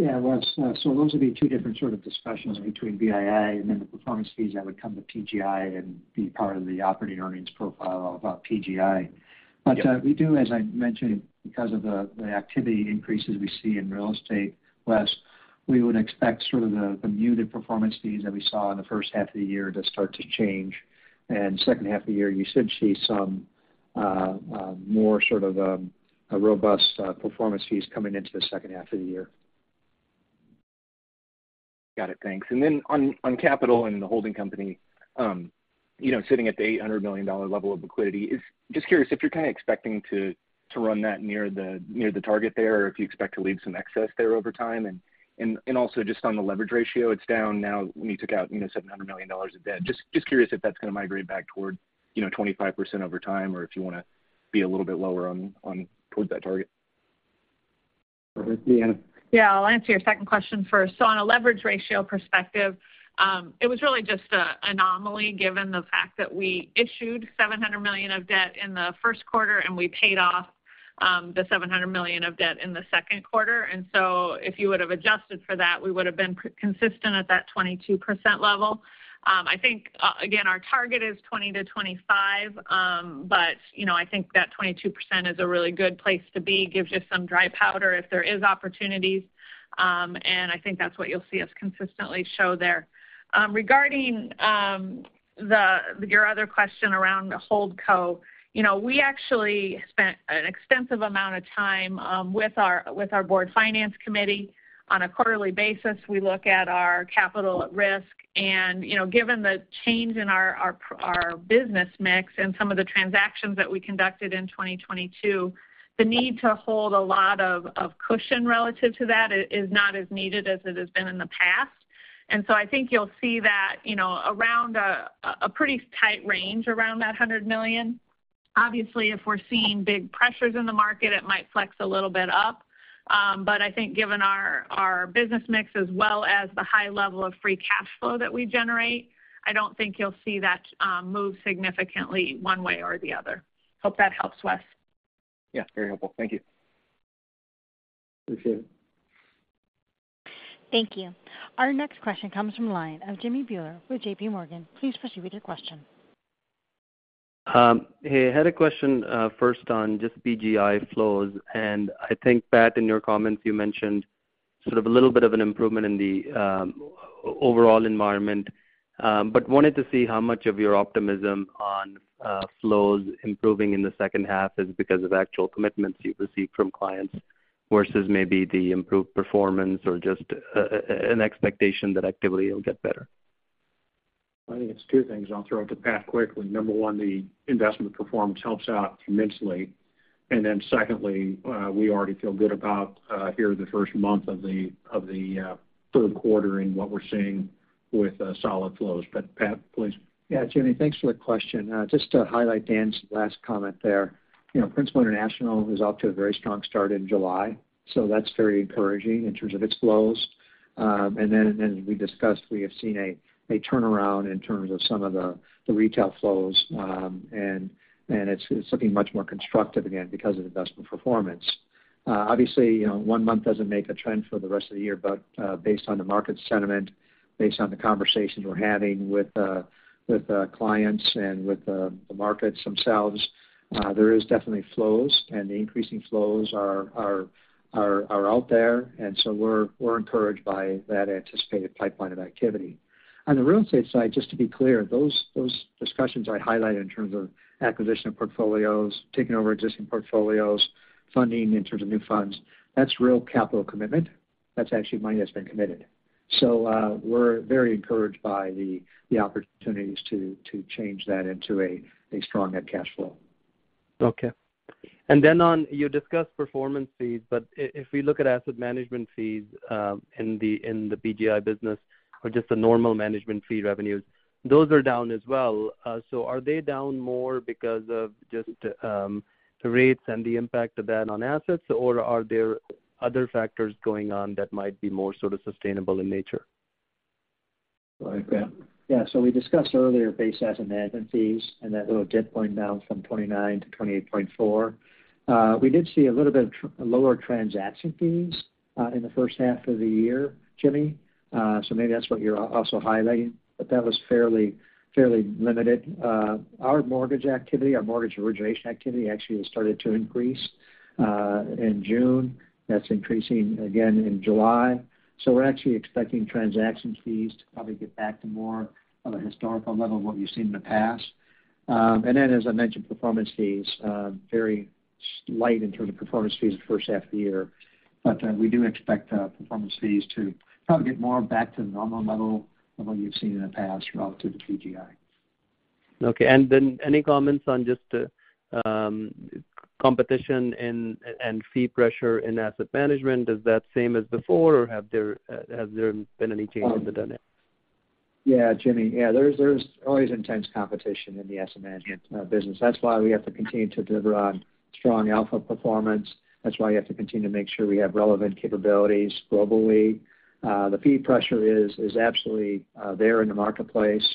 Wes, those would be two different sort of discussions between VII and then the performance fees that would come to PGI and be part of the operating earnings profile of PGI. We do, as I mentioned, because of the activity increases we see in real estate, Wes, we would expect sort of the muted performance fees that we saw in the first half of the year to start to change. Second half of the year, you should see some more sort of a robust performance fees coming into the second half of the year. Got it. Thanks. Then on, on capital and the holding company, you know, sitting at the $800 million level of liquidity, just curious if you're kind of expecting to, to run that near the, near the target there, or if you expect to leave some excess there over time? Also just on the leverage ratio, it's down now, when you took out, you know, $700 million of debt. Curious if that's going to migrate back toward, you know, 25% over time, or if you want to be a little bit lower on, on towards that target. Deanna? Yeah, I'll answer your second question first. On a leverage ratio perspective, it was really just a anomaly, given the fact that we issued $700 million of debt in the Q1, and we paid off the $700 million of debt in the Q2. If you would have adjusted for that, we would have been consistent at that 22% level. I think again, our target is 20%-25%, but, you know, I think that 22% is a really good place to be, gives you some dry powder if there is opportunities. I think that's what you'll see us consistently show there. Regarding your other question around the hold co. You know, we actually spent an extensive amount of time with our, with our board finance committee. On a quarterly basis, we look at our capital at risk, you know, given the change in our business mix and some of the transactions that we conducted in 2022, the need to hold a lot of cushion relative to that is not as needed as it has been in the past. I think you'll see that, you know, around a pretty tight range around that $100 million. Obviously, if we're seeing big pressures in the market, it might flex a little bit up. But I think given our business mix, as well as the high level of free cash flow that we generate, I don't think you'll see that move significantly one way or the other. Hope that helps, Wes. Yeah, very helpful. Thank you. Appreciate it. Thank you. Our next question comes from the line of Jimmy Bhullar with JPMorgan. Please proceed with your question. Hey, I had a question, first on just PGI flows, and I think, Pat, in your comments, you mentioned sort of a little bit of an improvement in the overall environment. Wanted to see how much of your optimism on flows improving in the second half is because of actual commitments you've received from clients versus maybe the improved performance or just an expectation that activity will get better? I think it's two things, and I'll throw it to Pat quickly. Number one, the investment performance helps out immensely. Then secondly, we already feel good about here the first month of the Q3 and what we're seeing with solid flows. Pat, please. Yeah, Jimmy, thanks for the question. Just to highlight Dan's last comment there. You know, Principal International is off to a very strong start in July, so that's very encouraging in terms of its flows. Then, as we discussed, we have seen a turnaround in terms of some of the retail flows, and it's looking much more constructive again because of investment performance. Obviously, you know, one month doesn't make a trend for the rest of the year, but, based on the market sentiment, based on the conversations we're having with clients and with the markets themselves, there is definitely flows, and the increasing flows are out there, and so we're encouraged by that anticipated pipeline of activity. On the real estate side, just to be clear, those discussions I highlighted in terms of acquisition of portfolios, taking over existing portfolios, funding in terms of new funds, that's real capital commitment. That's actually money that's been committed. We're very encouraged by the opportunities to change that into a strong net cash flow. Okay. Then on, you discussed performance fees, but if we look at asset management fees, in the, in the PGI business, or just the normal management fee revenues, those are down as well. Are they down more because of just the rates and the impact of that on assets? Or are there other factors going on that might be more sort of sustainable in nature? Go ahead, Pat. So we discussed earlier base asset management fees and that little dip going down from 29 to 28.4. We did see a little bit of lower transaction fees in the first half of the year, Jimmy. So maybe that's what you're also highlighting, but that was fairly, fairly limited. Our mortgage activity, our mortgage origination activity, actually has started to increase in June. That's increasing again in July. We're actually expecting transaction fees to probably get back to more of a historical level of what you've seen in the past. Then, as I mentioned, performance fees, very light in terms of performance fees the first half of the year. We do expect performance fees to probably get more back to the normal level of what you've seen in the past relative to PGI. Okay. Any comments on just competition and, and fee pressure in Asset Management? Is that same as before, or have there has there been any changes to that end? Yeah, Jimmy, yeah, there's, there's always intense competition in the asset management business. That's why we have to continue to deliver on strong alpha performance. That's why we have to continue to make sure we have relevant capabilities globally. The fee pressure is, is absolutely there in the marketplace.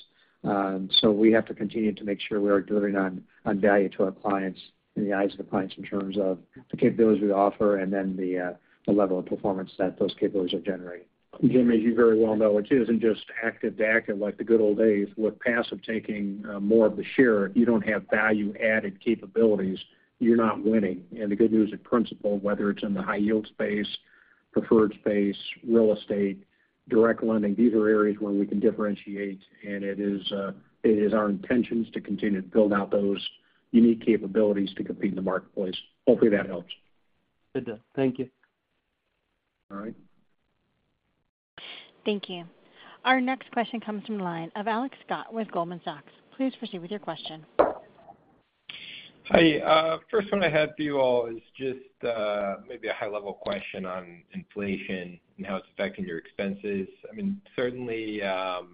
So we have to continue to make sure we are delivering on, on value to our clients, in the eyes of the clients, in terms of the capabilities we offer, and then the level of performance that those capabilities are generating. Jimmy, as you very well know, it isn't just active, active, like the good old days, with passive taking, more of the share. If you don't have value-added capabilities, you're not winning. The good news at Principal, whether it's in the high yield space, preferred space, real estate, direct lending, these are areas where we can differentiate, and it is, it is our intentions to continue to build out those unique capabilities to compete in the marketplace. Hopefully, that helps. It does. Thank you. All right. Thank you. Our next question comes from the line of Alex Stott with Goldman Sachs. Please proceed with your question. Hi. First one I had for you all is just, maybe a high-level question on inflation and how it's affecting your expenses. I mean, certainly, you know,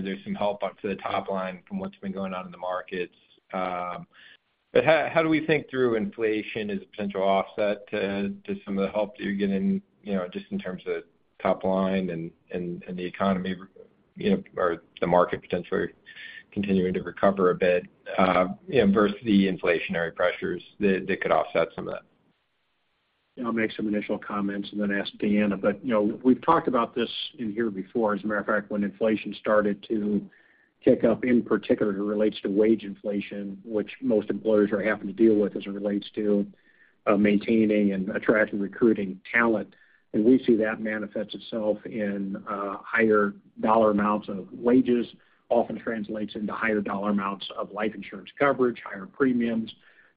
there's some help up to the top line from what's been going on in the markets. How, how do we think through inflation as a potential offset to, to some of the help that you're getting, you know, just in terms of top line and, and, and the economy, you know, or the market potentially continuing to recover a bit, you know, versus the inflationary pressures that, that could offset some of that? I'll make some initial comments and then ask Deanna. You know, we've talked about this in here before. As a matter of fact, when inflation started to tick up, in particular, it relates to wage inflation, which most employers are having to deal with as it relates to maintaining and attracting, recruiting talent. We see that manifests itself in higher dollar amounts of wages, often translates into higher dollar amounts of life insurance coverage, higher premiums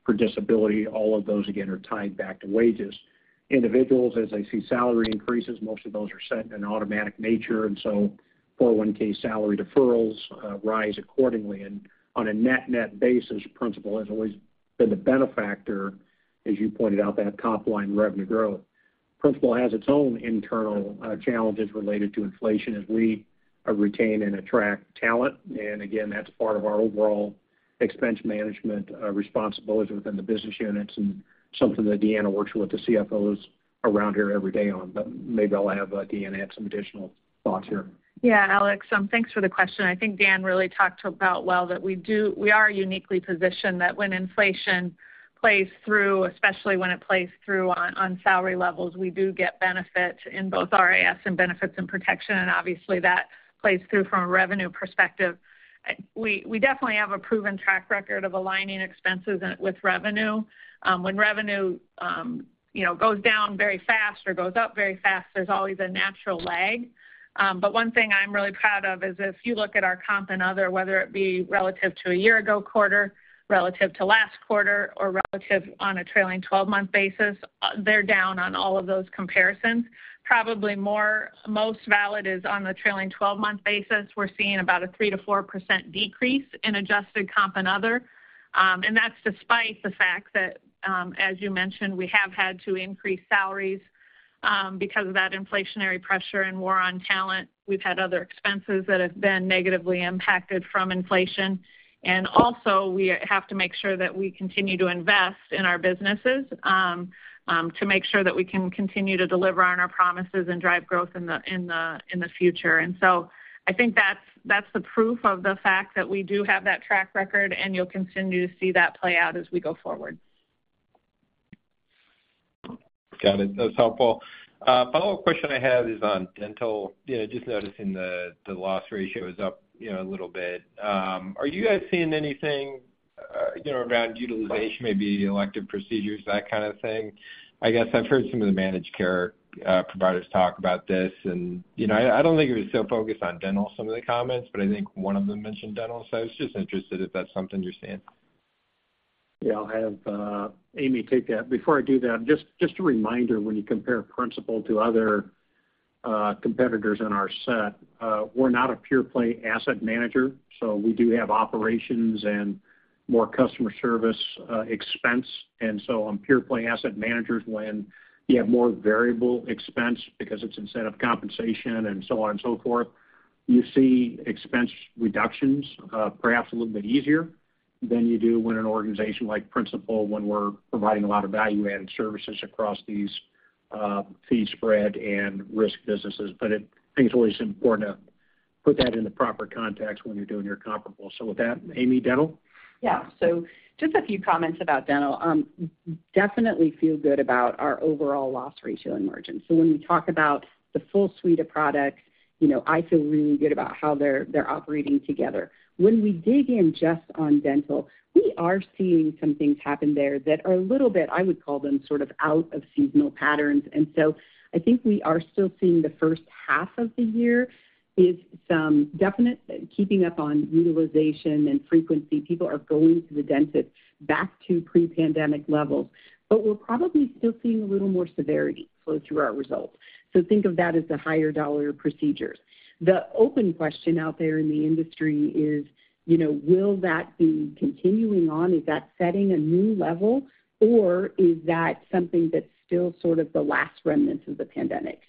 for disability. All of those, again, are tied back to wages. Individuals, as they see salary increases, most of those are set in an automatic nature, and so 401 salary deferrals rise accordingly. On a net-net basis, Principal has always been the benefactor, as you pointed out, that top line revenue growth. Principal has its own internal challenges related to inflation as we retain and attract talent, and again, that's part of our overall expense management responsibility within the business units, and something that Deanna works with the CFOs around here every day on. Maybe I'll have Deanna add some additional thoughts here. Yeah, Alex, thanks for the question. I think Dan really talked about well that we are uniquely positioned, that when inflation plays through, especially when it plays through on, on salary levels, we do get benefit in both RAS and Benefits and Protection, and obviously, that plays through from a revenue perspective. We, we definitely have a proven track record of aligning expenses with revenue. When revenue, you know, goes down very fast or goes up very fast, there's always a natural lag. One thing I'm really proud of is, if you look at our comp and other, whether it be relative to a year-ago quarter, relative to last quarter, or relative on a trailing 12-month basis, they're down on all of those comparisons. Probably more, most valid is on the trailing 12-month basis. We're seeing about a 3%-4% decrease in adjusted comp and other, and that's despite the fact that, as you mentioned, we have had to increase salaries because of that inflationary pressure and war on talent. We've had other expenses that have been negatively impacted from inflation. Also, we have to make sure that we continue to invest in our businesses to make sure that we can continue to deliver on our promises and drive growth in the, in the, in the future. So I think that's, that's the proof of the fact that we do have that track record, and you'll continue to see that play out as we go forward. Got it. That's helpful. Follow-up question I had is on dental. You know, just noticing the, the loss ratio is up, you know, a little bit. Are you guys seeing anything, you know, around utilization, maybe elective procedures, that kind of thing? I guess I've heard some of the managed care providers talk about this, and you know, I, I don't think it was so focused on dental, some of the comments, but I think one of them mentioned dental, so I was just interested if that's something you're seeing. Yeah, I'll have Amy take that. Before I do that, just, just a reminder, when you compare Principal to other competitors in our set, we're not a pure-play asset manager, so we do have operations and more customer service expense. On pure-play asset managers, when you have more variable expense, because it's instead of compensation and so on and so forth, you see expense reductions, perhaps a little bit easier than you do when an organization like Principal, when we're providing a lot of value-added services across these fee spread and risk businesses. It, I think it's always important to put that in the proper context when you're doing your comparable. With that, Amy, dental? Yeah. Just a few comments about dental. Definitely feel good about our overall loss ratio and margins. When we talk about the full suite of products, you know, I feel really good about how they're, they're operating together. When we dig in just on dental, we are seeing some things happen there that are a little bit, I would call them, sort of out of seasonal patterns. I think we are still seeing the first half of the year is some definite keeping up on utilization and frequency. People are going to the dentist back to pre-pandemic levels, but we're probably still seeing a little more severity flow through our results. Think of that as the higher dollar procedures. The open question out there in the industry is, you know, will that be continuing on? Is that setting a new level, or is that something that's still sort of the last remnants of the pandemic?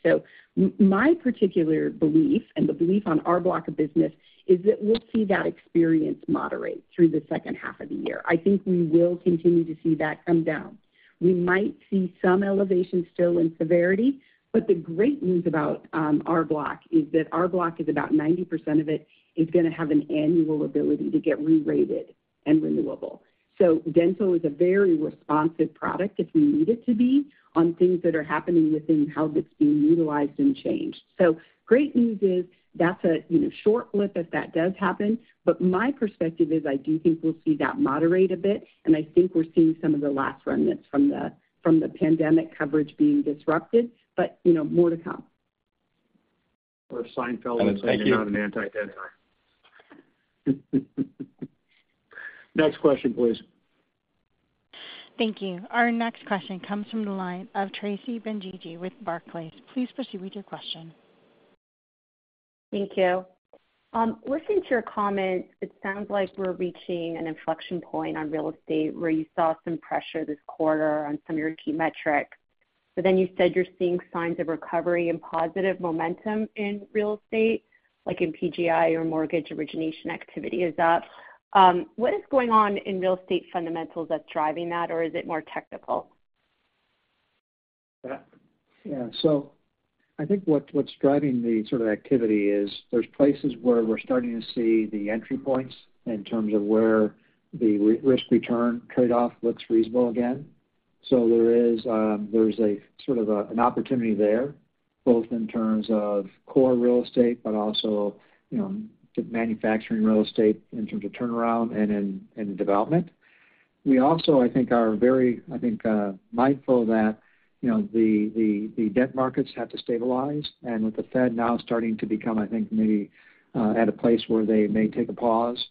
My particular belief, and the belief on our block of business, is that we'll see that experience moderate through the second half of the year. I think we will continue to see that come down.... we might see some elevation still in severity, but the great news about R Block is that R Block is about 90% of it is going to have an annual ability to get rerated and renewable. Dental is a very responsive product if we need it to be, on things that are happening within how it's being utilized and changed. Great news is that's a, you know, short blip, if that does happen. My perspective is, I do think we'll see that moderate a bit, and I think we're seeing some of the last remnants from the, from the pandemic coverage being disrupted, but, you know, more to come. Seinfeld would say, you're not an anti-dentite. Next question, please. Thank you. Our next question comes from the line of Tracy Benguigui with Barclays. Please proceed with your question. Thank you. Listening to your comments, it sounds like we're reaching an inflection point on real estate, where you saw some pressure this quarter on some of your key metrics. You said you're seeing signs of recovery and positive momentum in real estate, like in PGI or mortgage origination activity is up. What is going on in real estate fundamentals that's driving that, or is it more technical? Yeah. I think what, what's driving the sort of activity is there's places where we're starting to see the entry points in terms of where the re- risk return trade-off looks reasonable again. There is, there's a sort of a, an opportunity there, both in terms of core real estate, but also, you know, manufacturing real estate in terms of turnaround and in, in development. We also, I think, are very, I think, mindful that, you know, the, the, the debt markets have to stabilize. With the Fed now starting to become, I think, maybe, at a place where they may take a pause,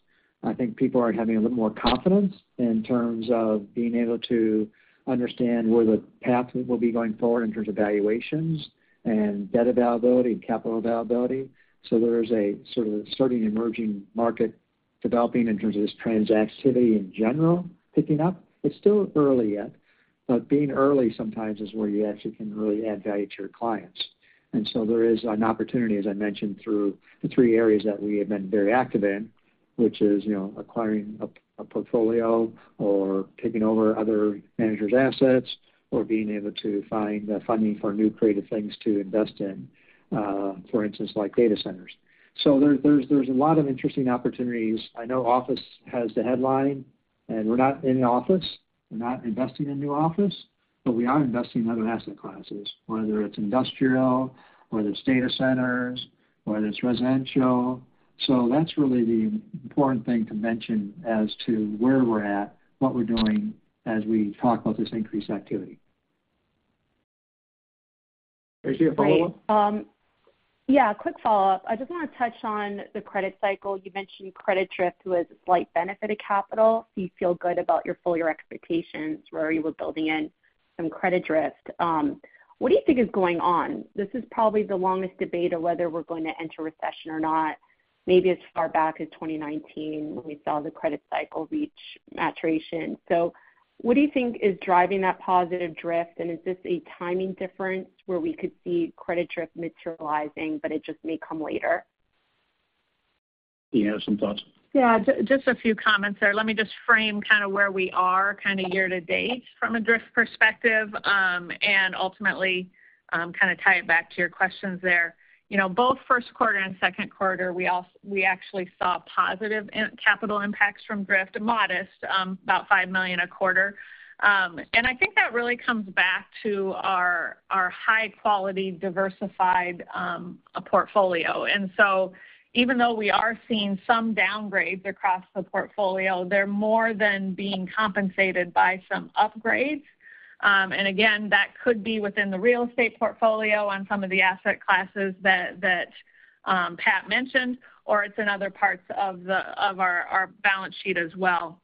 I think people are having a little more confidence in terms of being able to understand where the path will be going forward in terms of valuations and debt availability and capital availability. There is a sort of starting emerging market developing in terms of this transactivity in general, picking up. It's still early yet, but being early sometimes is where you actually can really add value to your clients. There is an opportunity, as I mentioned, through the three areas that we have been very active in, which is, you know, acquiring a portfolio or taking over other managers' assets or being able to find funding for new creative things to invest in, for instance, like data centers. There, there's, there's a lot of interesting opportunities. I know office has the headline, and we're not in office, we're not investing in new office, but we are investing in other asset classes, whether it's industrial, whether it's data centers, whether it's residential. That's really the important thing to mention as to where we're at, what we're doing as we talk about this increased activity. Tracy, a follow-up? Yeah, a quick follow-up. I just want to touch on the credit cycle. You mentioned credit drift was a slight benefit of capital. Do you feel good about your full year expectations, where you were building in some credit drift? What do you think is going on? This is probably the longest debate of whether we're going to enter recession or not, maybe as far back as 2019, when we saw the credit cycle reach maturation. What do you think is driving that positive drift, and is this a timing difference where we could see credit drift materializing, but it just may come later? Do you have some thoughts? Yeah, just a few comments there. Let me just frame kind of where we are kind of year to date from a drift perspective, and ultimately, kind of tie it back to your questions there. You know, both Q1 and Q2, we actually saw positive in capital impacts from drift, modest, about $5 million a quarter. I think that really comes back to our, our high-quality, diversified, portfolio. So even though we are seeing some downgrades across the portfolio, they're more than being compensated by some upgrades. Again, that could be within the real estate portfolio on some of the asset classes that, that, Pat mentioned, or it's in other parts of the, of our, our balance sheet as well.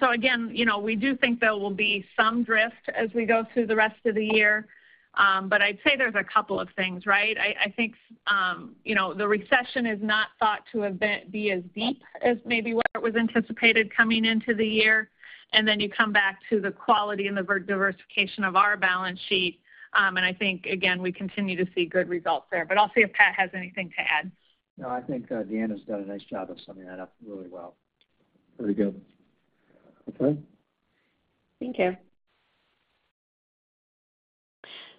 So again, you know, we do think there will be some drift as we go through the rest of the year, but I'd say there's a couple of things, right? I, I think, you know, the recession is not thought to be as deep as maybe what was anticipated coming into the year, and then you come back to the quality and the diversification of our balance sheet. I think, again, we continue to see good results there. I'll see if Pat has anything to add. No, I think, Deanna's done a nice job of summing that up really well. Very good. Okay. Thank you.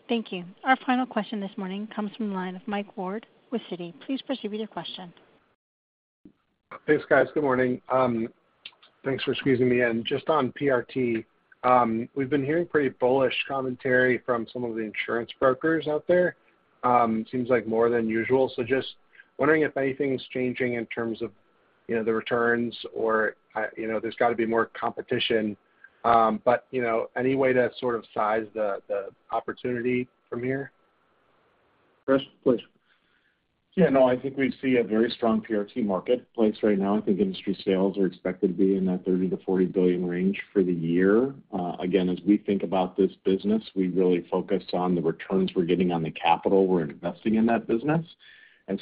Thank you. Our final question this morning comes from the line of Mike Ward with Citi. Please proceed with your question. Thanks, guys. Good morning. Thanks for squeezing me in. Just on PRT, we've been hearing pretty bullish commentary from some of the insurance brokers out there. Seems like more than usual. Just wondering if anything's changing in terms of, you know, the returns or, you know, there's got to be more competition, but, you know, any way to sort of size the, the opportunity from here? Chris, please. I think we see a very strong PRT marketplace right now. I think industry sales are expected to be in that $30 billion-$40 billion range for the year. Again, as we think about this business, we really focus on the returns we're getting on the capital we're investing in that business,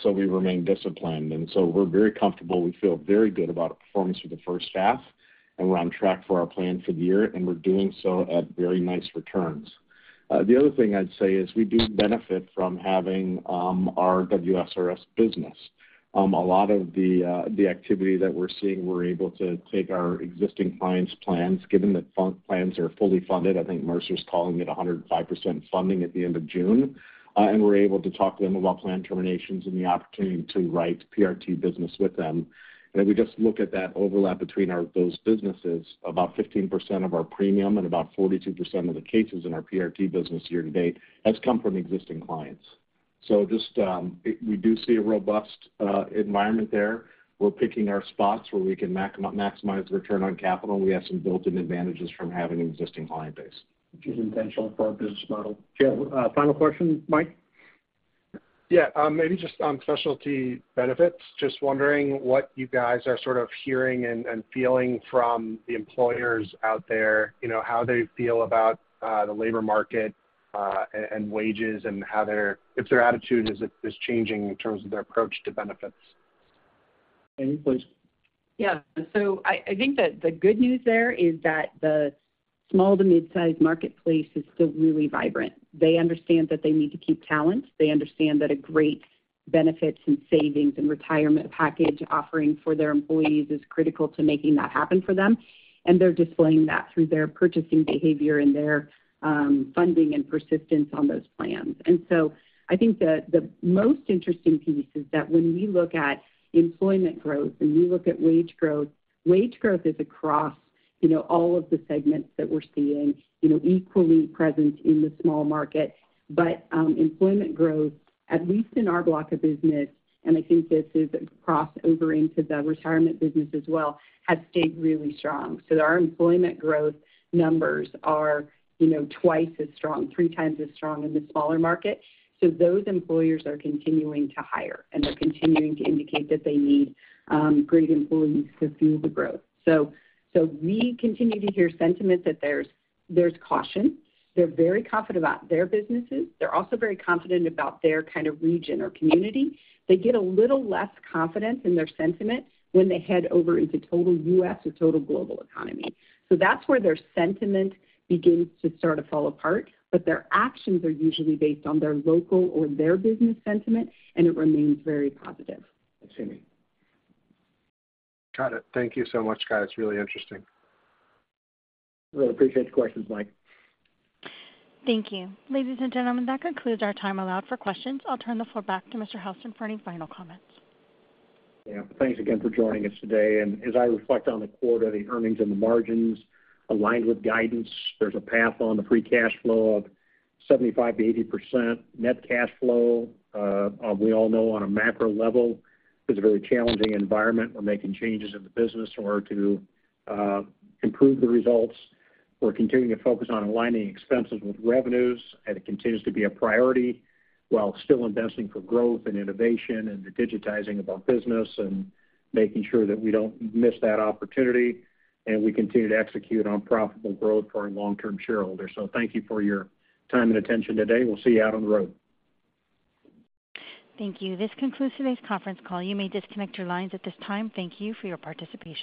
so we remain disciplined. So we're very comfortable. We feel very good about our performance for the first half, and we're on track for our plan for the year, and we're doing so at very nice returns. The other thing I'd say is we do benefit from having our WSRS business. A lot of the activity that we're seeing, we're able to take our existing clients' plans, given that fund plans are fully funded. I think Mercer's calling it 105% funding at the end of June. We're able to talk to them about plan terminations and the opportunity to write PRT business with them. If we just look at that overlap between those businesses, about 15% of our premium and about 42% of the cases in our PRT business year to date has come from existing clients. Just, we do see a robust environment there. We're picking our spots where we can maximize return on capital. We have some built-in advantages from having an existing client base. Which is intentional for our business model. Final question, Mike? Yeah, maybe just on specialty benefits. Just wondering what you guys are sort of hearing and feeling from the employers out there, you know, how they feel about the labor market and wages, and if their attitude is changing in terms of their approach to benefits? Any thoughts? Yeah. I, I think that the good news there is that the Small to Mid-Sized Marketplace is still really vibrant. They understand that they need to keep talent. They understand that a great benefits and savings and retirement package offering for their employees is critical to making that happen for them, and they're displaying that through their purchasing behavior and their funding and persistence on those plans. I think the, the most interesting piece is that when you look at employment growth, and you look at wage growth, wage growth is across, you know, all of the segments that we're seeing, you know, equally present in the small market. Employment growth, at least in our block of business, and I think this is cross over into the retirement business as well, has stayed really strong. Our employment growth numbers are, you know, twice as strong, three times as strong in the smaller market. Those employers are continuing to hire, and they're continuing to indicate that they need great employees to fuel the growth. We continue to hear sentiment that there's, there's caution. They're very confident about their businesses. They're also very confident about their kind of region or community. They get a little less confident in their sentiment when they head over into total U.S. or total global economy. That's where their sentiment begins to sort of fall apart, but their actions are usually based on their local or their business sentiment, and it remains very positive, assuming. Got it. Thank you so much, guys. It's really interesting. Really appreciate the questions, Mike. Thank you. Ladies and gentlemen, that concludes our time allowed for questions. I'll turn the floor back to Mr. Houston for any final comments. Yeah. Thanks again for joining us today, and as I reflect on the quarter, the earnings and the margins aligned with guidance, there's a path on the free cash flow of 75%-80%. Net cash flow, we all know on a macro level, is a very challenging environment. We're making changes in the business in order to improve the results. We're continuing to focus on aligning expenses with revenues, and it continues to be a priority, while still investing for growth and innovation and the digitizing of our business and making sure that we don't miss that opportunity, and we continue to execute on profitable growth for our long-term shareholders. Thank you for your time and attention today. We'll see you out on the road. Thank you. This concludes today's conference call. You may disconnect your lines at this time. Thank you for your participation.